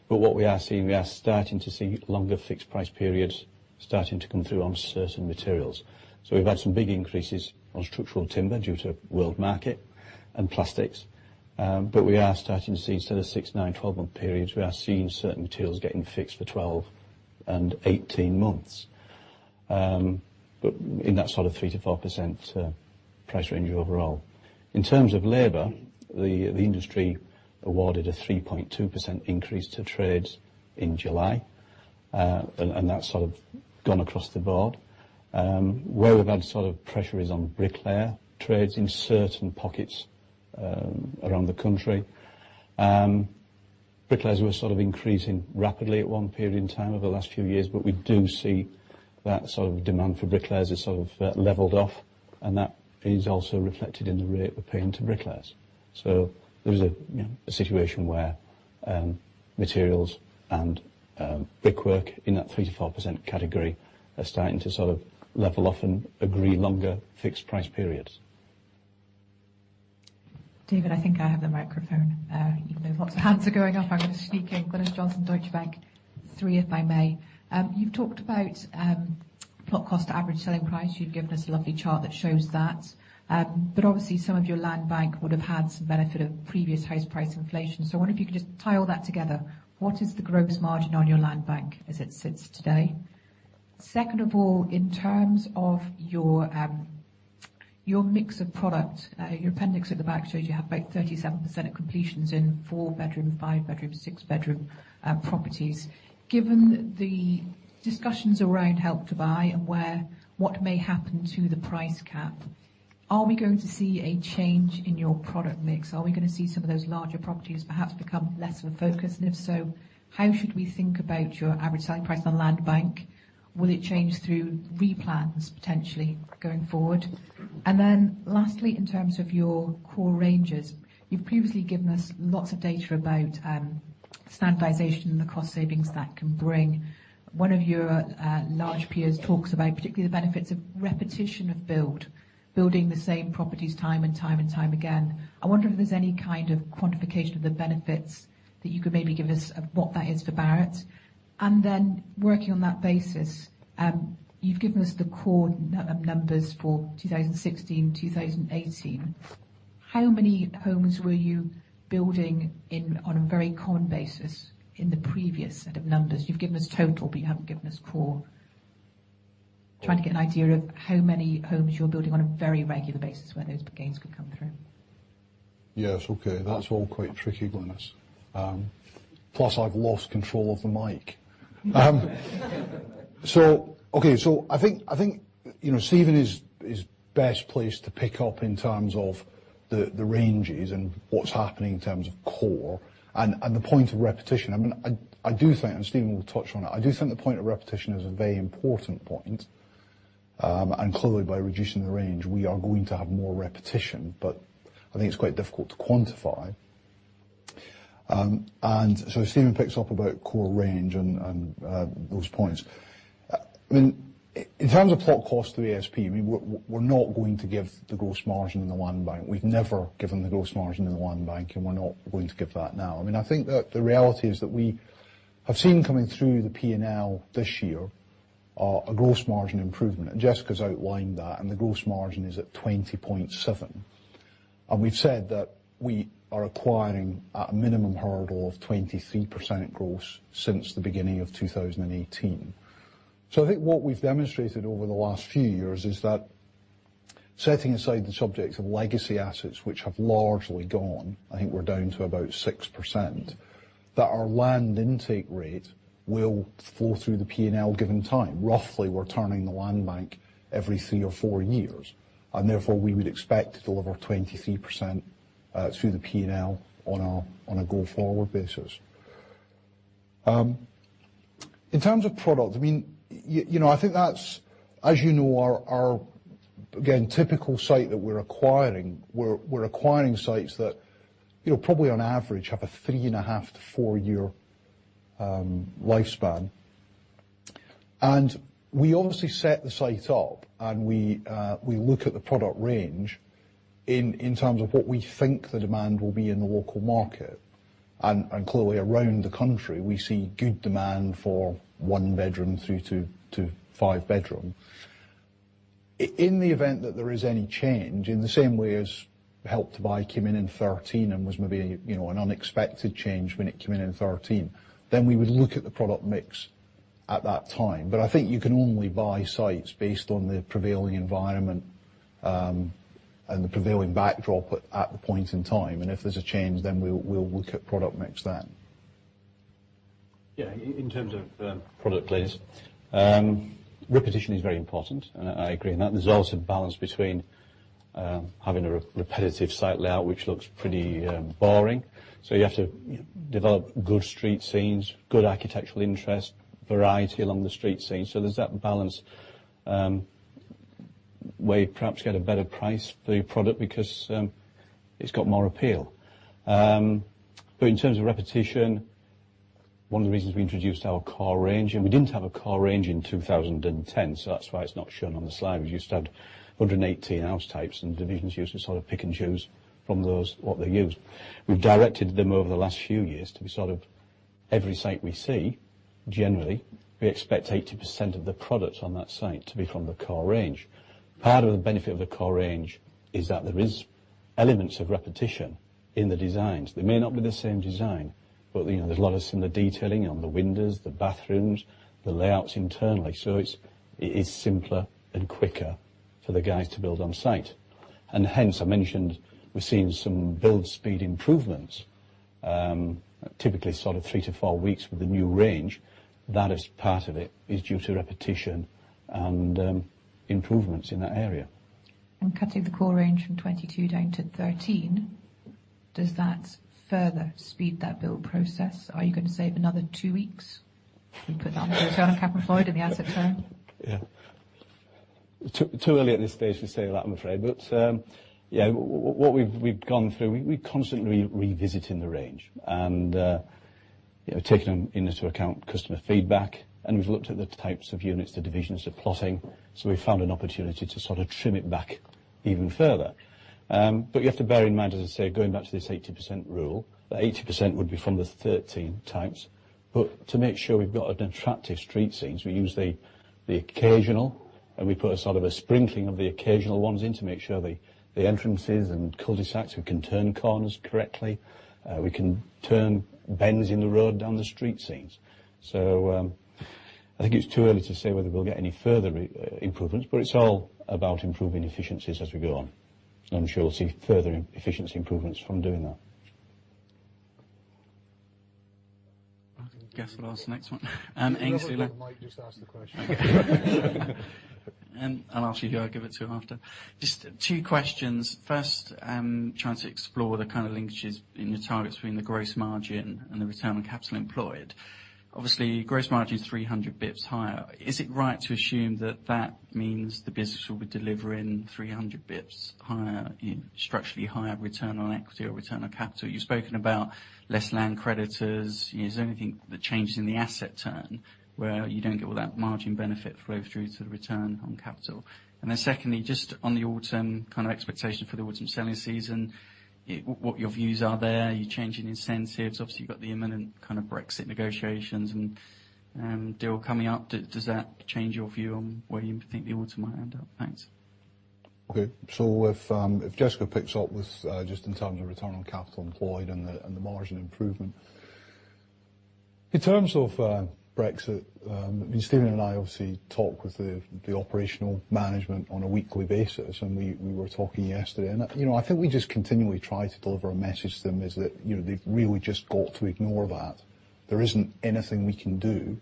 What we are seeing, we are starting to see longer fixed-price periods starting to come through on certain materials. We've had some big increases on structural timber due to world market and plastics. We are starting to see, instead of 6, 9, 12-month periods, we are seeing certain materials getting fixed for 12 and 18 months. But in that sort of 3%-4% price range overall. In terms of labor, the industry awarded a 3.2% increase to trades in July. That's sort of gone across the board. We've had sort of pressure is on bricklayer trades in certain pockets around the country. Bricklayers were sort of increasing rapidly at one period in time over the last few years, but we do see that sort of demand for bricklayers has sort of leveled off. That is also reflected in the rate we're paying to bricklayers. There's a situation where materials and brickwork in that 3%-4% category are starting to sort of level off and agree longer fixed-price periods. David, I think I have the microphone. Even though lots of hands are going up, I'm going to sneak in. Glynis Johnson, Deutsche Bank. Three, if I may. You've talked about plot cost average selling price. You've given us a lovely chart that shows that. Obviously, some of your land bank would have had some benefit of previous house price inflation. So I wonder if you could just tie all that together. What is the gross margin on your land bank as it sits today? Second of all, in terms of your mix of product, your appendix at the back shows you have about 37% of completions in four-bedroom, five-bedroom, six-bedroom properties. Given the discussions around Help to Buy and what may happen to the price cap, are we going to see a change in your product mix? Are we going to see some of those larger properties perhaps become less of a focus? If so, how should we think about your average selling price on land bank? Will it change through replans, potentially, going forward? Lastly, in terms of your core ranges, you've previously given us lots of data about standardization and the cost savings that can bring. One of your large peers talks about particularly the benefits of repetition of build, building the same properties time and time and time again. I wonder if there's any kind of quantification of the benefits that you could maybe give us of what that is for Barratt. Working on that basis, you've given us the core numbers for 2016, 2018. How many homes were you building on a very core basis in the previous set of numbers? You've given us total, you haven't given us core. Trying to get an idea of how many homes you're building on a very regular basis where those gains could come through. Yes. Okay. That's all quite tricky, Glynis. Plus, I've lost control of the mic. Okay. I think Steven is best placed to pick up in terms of the ranges and what's happening in terms of core and the point of repetition. I do think, and Steven will touch on it, I do think the point of repetition is a very important point. Clearly by reducing the range, we are going to have more repetition, I think it's quite difficult to quantify. Steven picks up about core range and those points. In terms of plot cost to ASP, we're not going to give the gross margin in the land bank. We've never given the gross margin in the land bank, and we're not going to give that now. I think that the reality is that we have seen coming through the P&L this year a gross margin improvement, Jessica's outlined that, and the gross margin is at 20.7%. We've said that we are acquiring at a minimum hurdle of 23% gross since the beginning of 2018. I think what we've demonstrated over the last few years is that setting aside the subject of legacy assets, which have largely gone, I think we're down to about 6%, that our land intake rate will fall through the P&L given time. Roughly, we're turning the land bank every three or four years, therefore we would expect to deliver 23% through the P&L on a go-forward basis. In terms of product, I think that's, as you know, our, again, typical site that we're acquiring. We're acquiring sites that probably on average have a three and a half to four-year lifespan. We obviously set the site up, we look at the product range in terms of what we think the demand will be in the local market. Clearly around the country, we see good demand for one bedroom through to five bedroom. In the event that there is any change, in the same way as Help to Buy came in in 2013 and was maybe an unexpected change when it came in in 2013, we would look at the product mix at that time. I think you can only buy sites based on the prevailing environment, and the prevailing backdrop at the point in time. If there's a change, we'll look at product mix then. Yeah. In terms of product place, repetition is very important. I agree. That there's always a balance between having a repetitive site layout, which looks pretty boring. You have to develop good street scenes, good architectural interest, variety along the street scene. There's that balance, where you perhaps get a better price for your product because it's got more appeal. In terms of repetition, one of the reasons we introduced our core range, and we didn't have a core range in 2010, so that's why it's not shown on the slide. We used to have 118 house types, and divisions used to sort of pick and choose from those what they used. We've directed them over the last few years to be sort of every site we see, generally, we expect 80% of the product on that site to be from the core range. Part of the benefit of the core range is that there is elements of repetition in the designs. They may not be the same design, but there's a lot of similar detailing on the windows, the bathrooms, the layouts internally. It's simpler and quicker for the guys to build on site. Hence, I mentioned we've seen some build speed improvements, typically sort of three to four weeks with the new range. That is part of it, is due to repetition and improvements in that area. Cutting the core range from 22 down to 13 Does that further speed that build process? Are you going to save another two weeks if you put that onto return on capital employed in the asset term? Too early at this stage to say that, I'm afraid. What we've gone through, we're constantly revisiting the range and taking into account customer feedback, and we've looked at the types of units, the divisions they're plotting, so we found an opportunity to sort of trim it back even further. You have to bear in mind, as I say, going back to this 80% rule, that 80% would be from the 13 types. To make sure we've got attractive street scenes, we use the occasional, and we put a sort of a sprinkling of the occasional ones in to make sure the entrances and cul-de-sacs, we can turn corners correctly. We can turn bends in the road down the street scenes. I think it's too early to say whether we'll get any further improvements, but it's all about improving efficiencies as we go on. I'm sure we'll see further efficiency improvements from doing that. I can guess what ask the next one. Aynsley. Get another one the mic, just ask the question. I'll ask you, who I give it to after. Just two questions. First, trying to explore the kind of linkages in your targets between the gross margin and the return on capital employed. Obviously, gross margin is 300 basis points higher. Is it right to assume that that means the business will be delivering 300 basis points higher, structurally higher return on equity or return on capital? You've spoken about less land creditors. Is there anything that changes in the asset turn where you don't get all that margin benefit flow through to the return on capital? Secondly, just on the autumn kind of expectation for the autumn selling season, what your views are there. You're changing incentives. Obviously, you've got the imminent kind of Brexit negotiations and deal coming up. Does that change your view on where you think the autumn might end up? Thanks. Okay. If Jessica picks up with just in terms of return on capital employed and the margin improvement. In terms of Brexit, Steven and I obviously talk with the operational management on a weekly basis, and we were talking yesterday. I think we just continually try to deliver a message to them is that they've really just got to ignore that. There isn't anything we can do,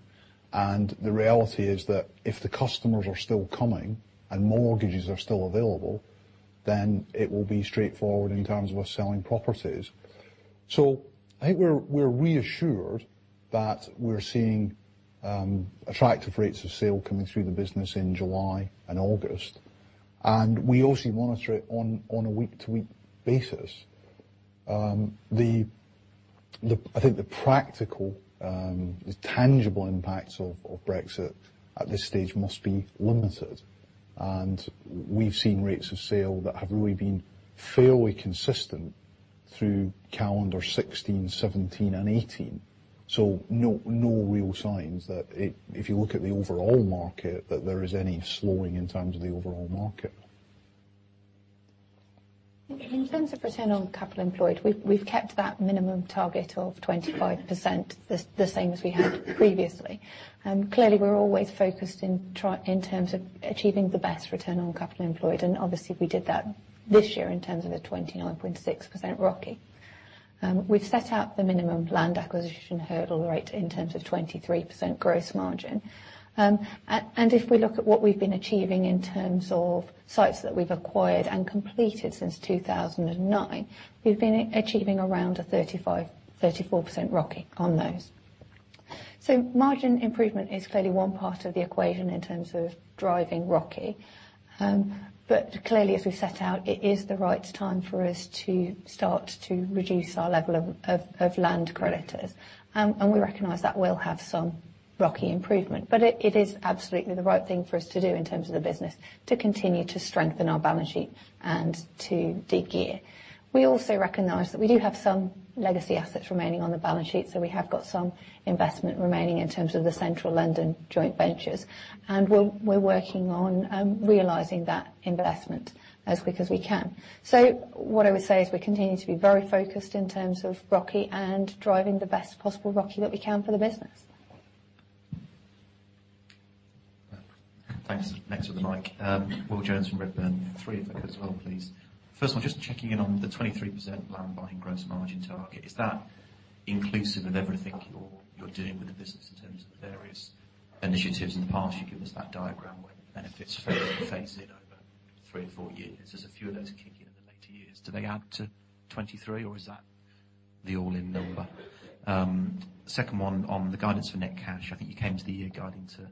and the reality is that if the customers are still coming and mortgages are still available, then it will be straightforward in terms of us selling properties. I think we're reassured that we're seeing attractive rates of sale coming through the business in July and August. We obviously monitor it on a week-to-week basis. I think the practical, the tangible impacts of Brexit at this stage must be limited. We've seen rates of sale that have really been fairly consistent through calendar 2016, 2017 and 2018. No real signs that if you look at the overall market, that there is any slowing in terms of the overall market. In terms of return on capital employed, we've kept that minimum target of 25%, the same as we had previously. Clearly, we're always focused in terms of achieving the best return on capital employed. Obviously, we did that this year in terms of a 29.6% ROCE. We've set out the minimum land acquisition hurdle rate in terms of 23% gross margin. If we look at what we've been achieving in terms of sites that we've acquired and completed since 2009, we've been achieving around a 35%, 34% ROCE on those. Margin improvement is clearly one part of the equation in terms of driving ROCE. Clearly, as we set out, it is the right time for us to start to reduce our level of land creditors. We recognize that will have some ROCE improvement. It is absolutely the right thing for us to do in terms of the business to continue to strengthen our balance sheet and to de-gear. We also recognize that we do have some legacy assets remaining on the balance sheet, so we have got some investment remaining in terms of the central London joint ventures, and we are working on realizing that investment as quick as we can. What I would say is we continue to be very focused in terms of ROCE and driving the best possible ROCE that we can for the business. Thanks. Next with the mic. Will Jones from Redburn. Three if I could as well, please. First of all, just checking in on the 23% land buying gross margin target. Is that inclusive of everything you are doing with the business in terms of the various initiatives? In the past, you gave us that diagram where benefits phase in over three to four years. There is a few of those kick in the later years. Do they add to 23, or is that the all-in number? Second one, on the guidance for net cash, I think you came to the year guiding to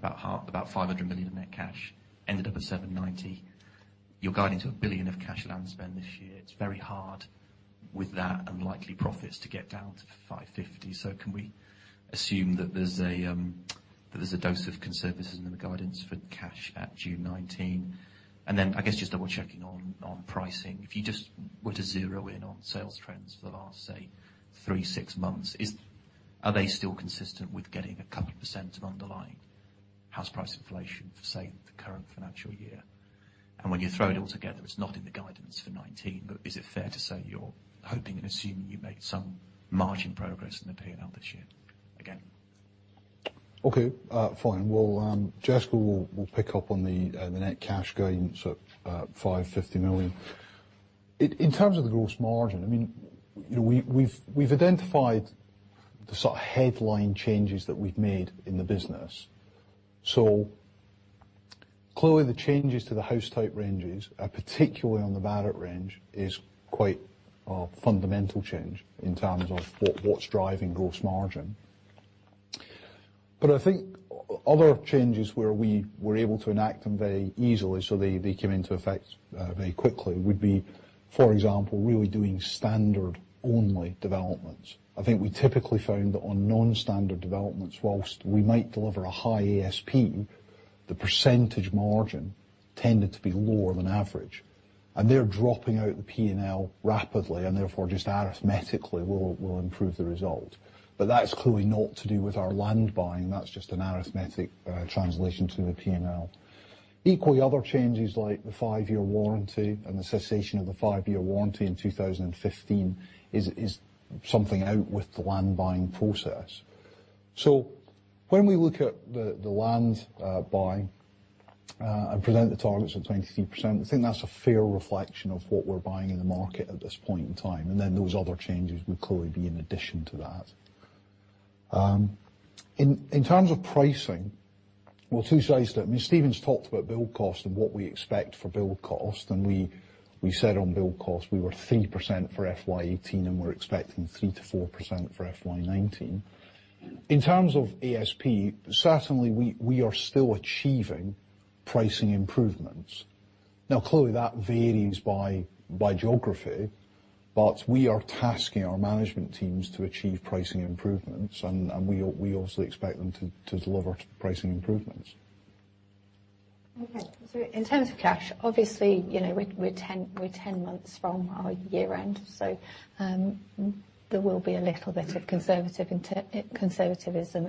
about half, about 500 million of net cash. Ended up at 790. You are guiding to 1 billion of cash land spend this year. It is very hard with that and likely profits to get down to 550. Can we assume that there is a dose of conservatism in the guidance for cash at June 2019? Then I guess just double checking on pricing. If you just were to zero in on sales trends for the last, say, three, six months, are they still consistent with getting a couple of % of underlying house price inflation for, say, the current financial year? When you throw it all together, it is not in the guidance for 2019, but is it fair to say you are hoping and assuming you make some margin progress in the P&L this year again? Okay. Fine. Jessica will pick up on the net cash guidance at 550 million. In terms of the gross margin, we have identified the sort of headline changes that we have made in the business. Clearly, the changes to the house type ranges, particularly on the Barratt range, is quite a fundamental change in terms of what is driving gross margin. I think other changes where we were able to enact them very easily, they came into effect very quickly, would be, for example, really doing standard-only developments. I think we typically found that on non-standard developments, whilst we might deliver a high ASP, the percentage margin tended to be lower than average, and they are dropping out the P&L rapidly and therefore just arithmetically will improve the result. That is clearly not to do with our land buying. That is just an arithmetic translation to the P&L. Other changes like the five-year warranty and the cessation of the five-year warranty in 2015 is something out with the land buying process. When we look at the land buying, and present the targets of 23%, I think that's a fair reflection of what we're buying in the market at this point in time, and then those other changes would clearly be in addition to that. In terms of pricing, well, two sides to it. Steven's talked about build cost and what we expect for build cost, and we said on build cost we were 3% for FY 2018 and we're expecting 3%-4% for FY 2019. In terms of ASP, certainly we are still achieving pricing improvements. Clearly, that varies by geography, but we are tasking our management teams to achieve pricing improvements and we also expect them to deliver pricing improvements. Okay. In terms of cash, obviously, we're 10 months from our year end, there will be a little bit of conservatism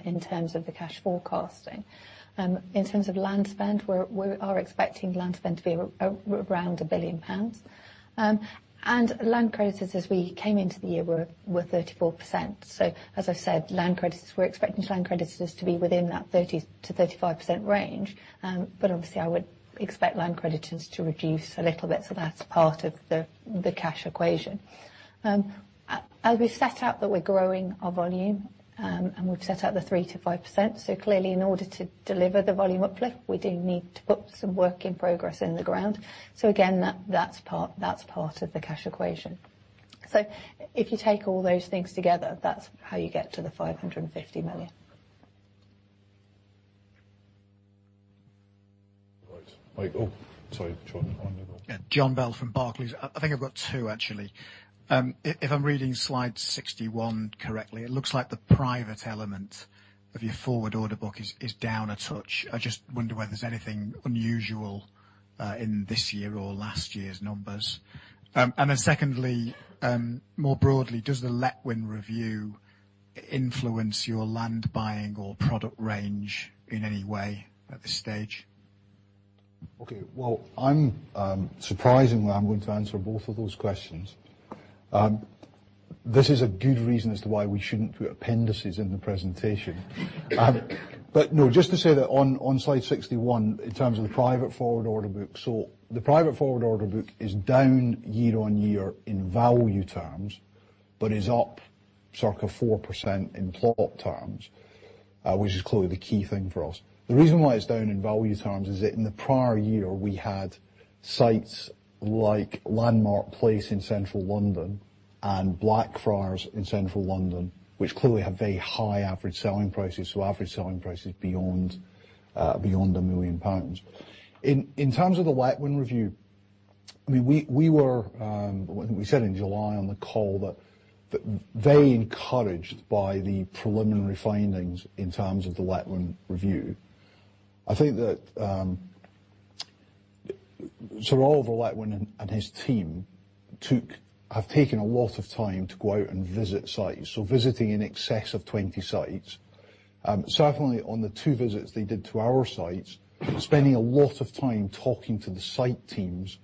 in terms of the cash forecasting. In terms of land spend, we are expecting land spend to be around 1 billion pounds. Land creditors as we came into the year were 34%. As I said, land creditors, we're expecting land creditors to be within that 30%-35% range. Obviously I would expect land creditors to reduce a little bit, that's part of the cash equation. As we've set out that we're growing our volume, and we've set out the 3%-5%, clearly in order to deliver the volume uplift, we do need to put some WIP in the ground. Again, that's part of the cash equation. If you take all those things together, that's how you get to the 550 million. Right. Oh, sorry, John. On you go. Yeah. John Messenger from Barclays. I think I've got two, actually. If I'm reading slide 61 correctly, it looks like the private element of your forward order book is down a touch. I just wonder whether there's anything unusual in this year or last year's numbers. Secondly, more broadly, does the Letwin Review influence your land buying or product range in any way at this stage? Okay. Well, surprisingly, I'm going to answer both of those questions. This is a good reason as to why we shouldn't put appendices in the presentation. No, just to say that on slide 61, in terms of the private forward order book. The private forward order book is down year on year in value terms, but is up circa 4% in plot terms, which is clearly the key thing for us. The reason why it's down in value terms is that in the prior year, we had sites like Landmark Place in central London and Blackfriars in central London, which clearly have very high average selling prices, so average selling prices beyond 1 million pounds. In terms of the Letwin Review, we said in July on the call that very encouraged by the preliminary findings in terms of the Letwin Review. Sir Oliver Letwin and his team have taken a lot of time to go out and visit sites, so visiting in excess of 20 sites. Certainly on the two visits they did to our sites, spending a lot of time talking to the site teams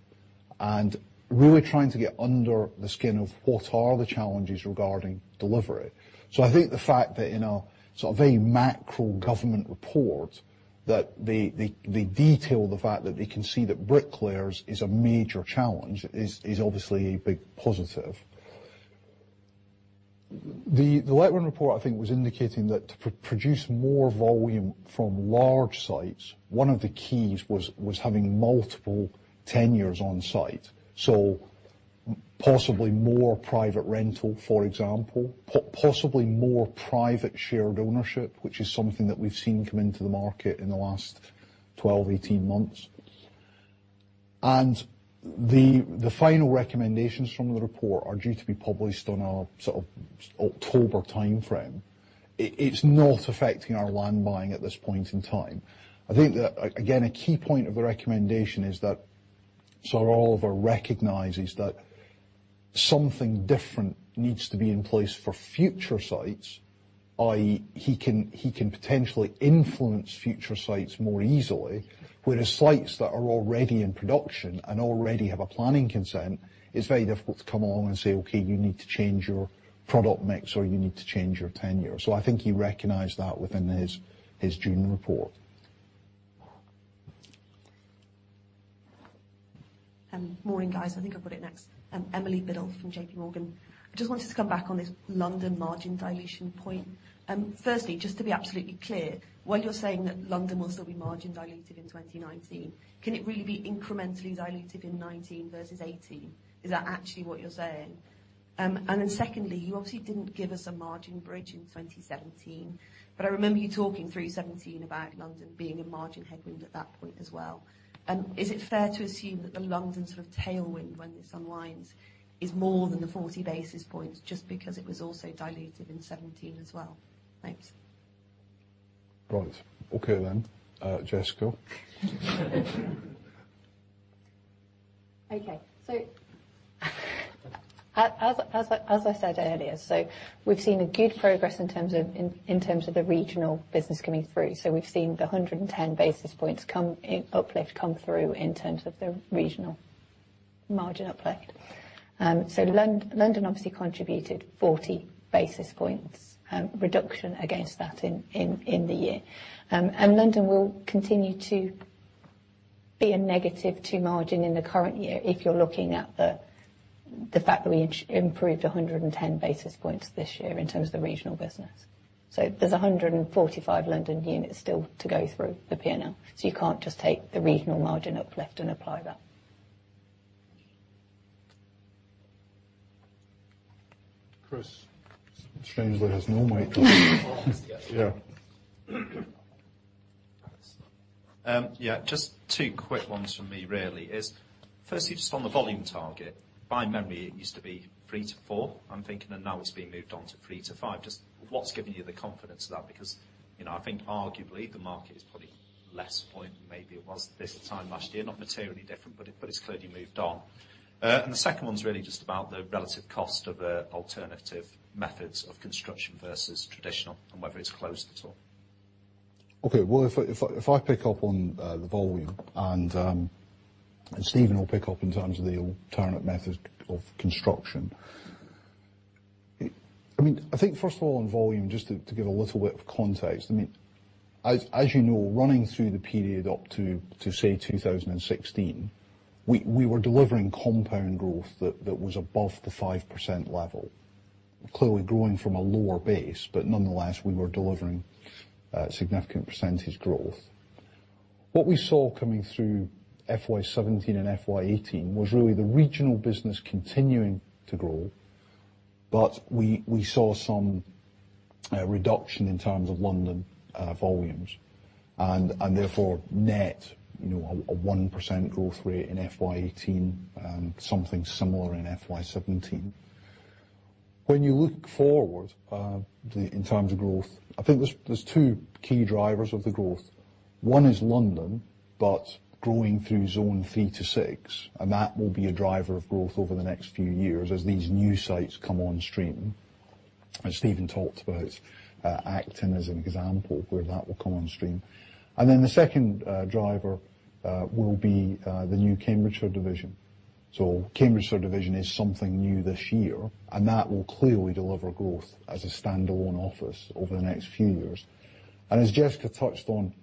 and really trying to get under the skin of what are the challenges regarding delivery. I think the fact that in a very macro government report, that they detail the fact that they can see that brick layers is a major challenge is obviously a big positive. The Letwin report, I think, was indicating that to produce more volume from large sites, one of the keys was having multiple tenures on site. Possibly more private rental, for example, possibly more private shared ownership, which is something that we've seen come into the market in the last 12, 18 months. The final recommendations from the report are due to be published on an October timeframe. It's not affecting our land buying at this point in time. I think that, again, a key point of the recommendation is that Sir Oliver recognizes that something different needs to be in place for future sites, i.e. he can potentially influence future sites more easily, whereas sites that are already in production and already have a planning consent, it's very difficult to come along and say, "Okay, you need to change your product mix," or, "You need to change your tenure." I think he recognized that within his June report. Morning, guys. I think I've got it next. Emily Biddulph from JPMorgan. I just wanted to come back on this London margin dilution point. Firstly, just to be absolutely clear, when you're saying that London will still be margin diluted in 2019, can it really be incrementally diluted in 2019 versus 2018? Is that actually what you're saying? Then secondly, you obviously didn't give us a margin bridge in 2017, but I remember you talking through 2017 about London being a margin headwind at that point as well. Is it fair to assume that the London sort of tailwind, when this aligns, is more than the 40 basis points, just because it was also diluted in 2017 as well? Thanks. Right. Okay, then. Jessica? Okay. As I said earlier, we've seen a good progress in terms of the regional business coming through. We've seen the 110 basis points uplift come through in terms of the regional margin uplift. London obviously contributed 40 basis points, reduction against that in the year. London will continue to be a negative to margin in the current year if you're looking at the fact that we improved 110 basis points this year in terms of the regional business. There's 145 London units still to go through the P&L. You can't just take the regional margin uplift and apply that. Chris. Strangely has no microphone. Yeah. Just two quick ones from me really. Firstly, just on the volume target. By memory, it used to be three to four, I'm thinking, and now it's been moved on to three to five. Just what's given you the confidence of that? Because I think arguably the market is probably less buoyant than maybe it was this time last year. Not materially different, but it's clearly moved on. The second one's really just about the relative cost of alternative methods of construction versus traditional, and whether it's closed at all. Well, if I pick up on the volume and Steven will pick up in terms of the alternate method of construction. I think first of all on volume, just to give a little bit of context. As you know, running through the period up to, say 2016, we were delivering compound growth that was above the 5% level. Clearly growing from a lower base, but nonetheless, we were delivering significant percentage growth. What we saw coming through FY 2017 and FY 2018 was really the regional business continuing to grow, but we saw some reduction in terms of London volumes, and therefore net a 1% growth rate in FY 2018 and something similar in FY 2017. When you look forward in terms of growth, I think there's two key drivers of the growth. One is London, growing through zone 3 to 6, and that will be a driver of growth over the next few years as these new sites come on stream, as Steven talked about Acton as an example where that will come on stream. The second driver will be the new Cambridgeshire division. Cambridgeshire division is something new this year, and that will clearly deliver growth as a standalone office over the next few years. As Jessica touched on,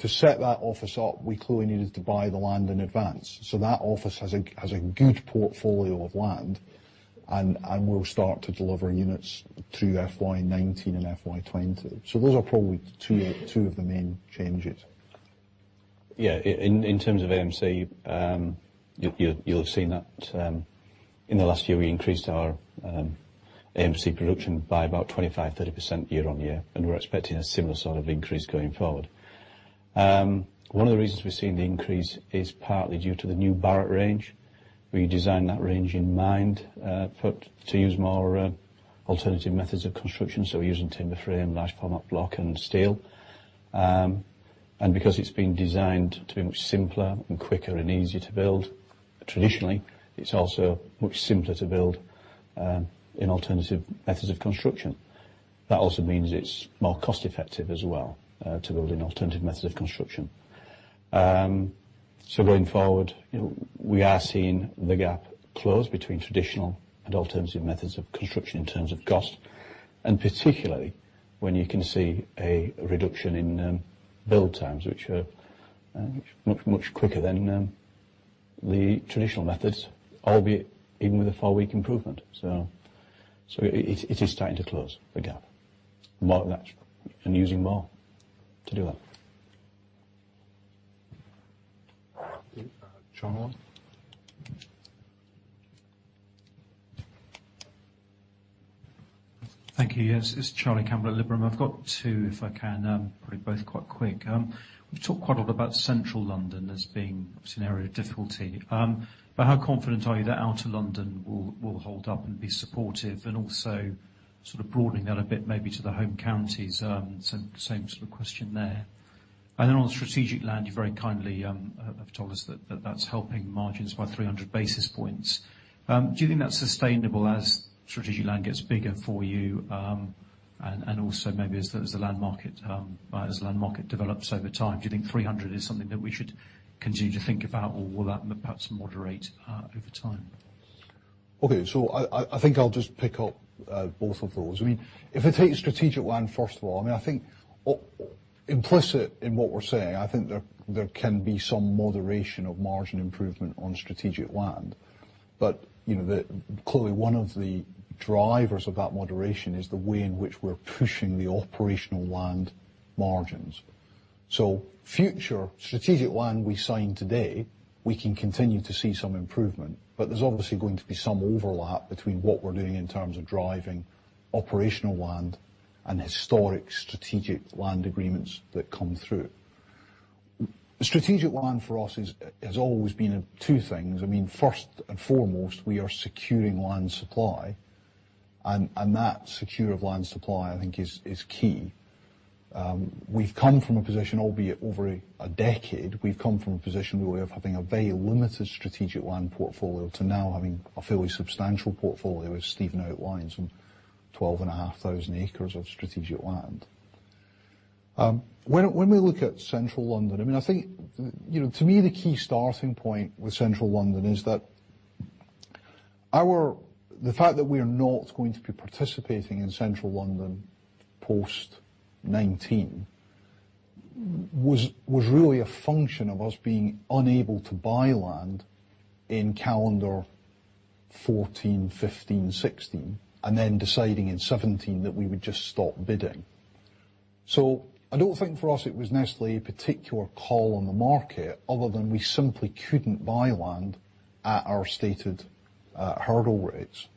to set that office up, we clearly needed to buy the land in advance. That office has a good portfolio of land and will start to deliver units through FY 2019 and FY 2020. Those are probably two of the main changes. In terms of AMC, you'll have seen that in the last year, we increased our AMC production by about 25%-30% year-on-year, and we're expecting a similar sort of increase going forward. One of the reasons we've seen the increase is partly due to the new Barratt range. We designed that range in mind to use more alternative methods of construction. We're using timber frame, large format block, and steel. Because it's been designed to be much simpler and quicker and easier to build traditionally, it's also much simpler to build in alternative methods of construction. That also means it's more cost effective as well, to build in alternative methods of construction. Going forward, we are seeing the gap close between traditional and alternative methods of construction in terms of cost. Particularly when you can see a reduction in build times, which are much quicker than the traditional methods, albeit even with a four-week improvement. It is starting to close the gap more and using more to do that. Okay. Charlie. Thank you. Yes, it's Charlie Campbell at Liberum. I've got two if I can, probably both quite quick. We've talked quite a lot about Central London as being an area of difficulty. How confident are you that Outer London will hold up and be supportive? Also sort of broadening that a bit maybe to the Home Counties, same sort of question there. Then on strategic land, you very kindly have told us that that's helping margins by 300 basis points. Do you think that's sustainable as strategic land gets bigger for you? Also maybe as land market develops over time, do you think 300 is something that we should continue to think about, or will that perhaps moderate over time? Okay. I think I'll just pick up both of those. If I take strategic land, first of all, I think implicit in what we're saying, I think there can be some moderation of margin improvement on strategic land. Clearly one of the drivers of that moderation is the way in which we're pushing the operational land margins. Future strategic land we sign today, we can continue to see some improvement, but there's obviously going to be some overlap between what we're doing in terms of driving operational land and historic strategic land agreements that come through. Strategic land for us has always been two things. First and foremost, we are securing land supply, that secure of land supply, I think, is key. We've come from a position, albeit over a decade, we've come from a position where we have having a very limited strategic land portfolio to now having a fairly substantial portfolio, as Steven outlines, in 12,500 acres of strategic land. When we look at Central London, I think to me, the key starting point with Central London is that the fact that we are not going to be participating in Central London post 2019 was really a function of us being unable to buy land in calendar 2014, 2015, 2016, and then deciding in 2017 that we would just stop bidding. I don't think for us it was necessarily a particular call on the market, other than we simply couldn't buy land at our stated hurdle rates.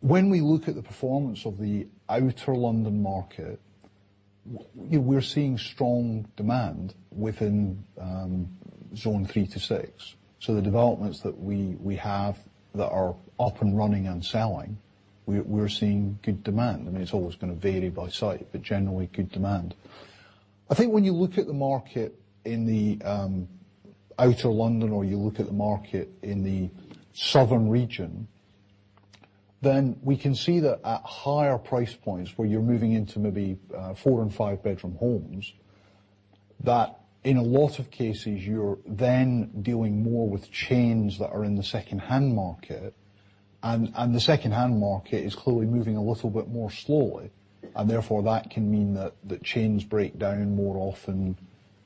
When we look at the performance of the outer London market, we're seeing strong demand within zone 3 to 6. The developments that we have that are up and running and selling, we're seeing good demand. It's always going to vary by site, but generally good demand. I think when you look at the market in the outer London, or you look at the market in the southern region, then we can see that at higher price points, where you're moving into maybe four and five-bedroom homes, that in a lot of cases you're then dealing more with chains that are in the secondhand market. The secondhand market is clearly moving a little bit more slowly, and therefore, that can mean that chains break down more often,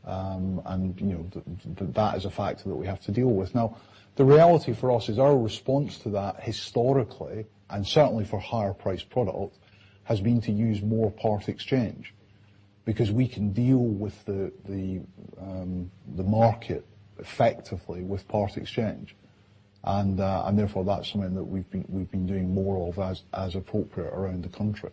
and that is a factor that we have to deal with. The reality for us is our response to that historically, and certainly for higher priced product, has been to use more part exchange, because we can deal with the market effectively with part exchange. Therefore, that's something that we've been doing more of as appropriate around the country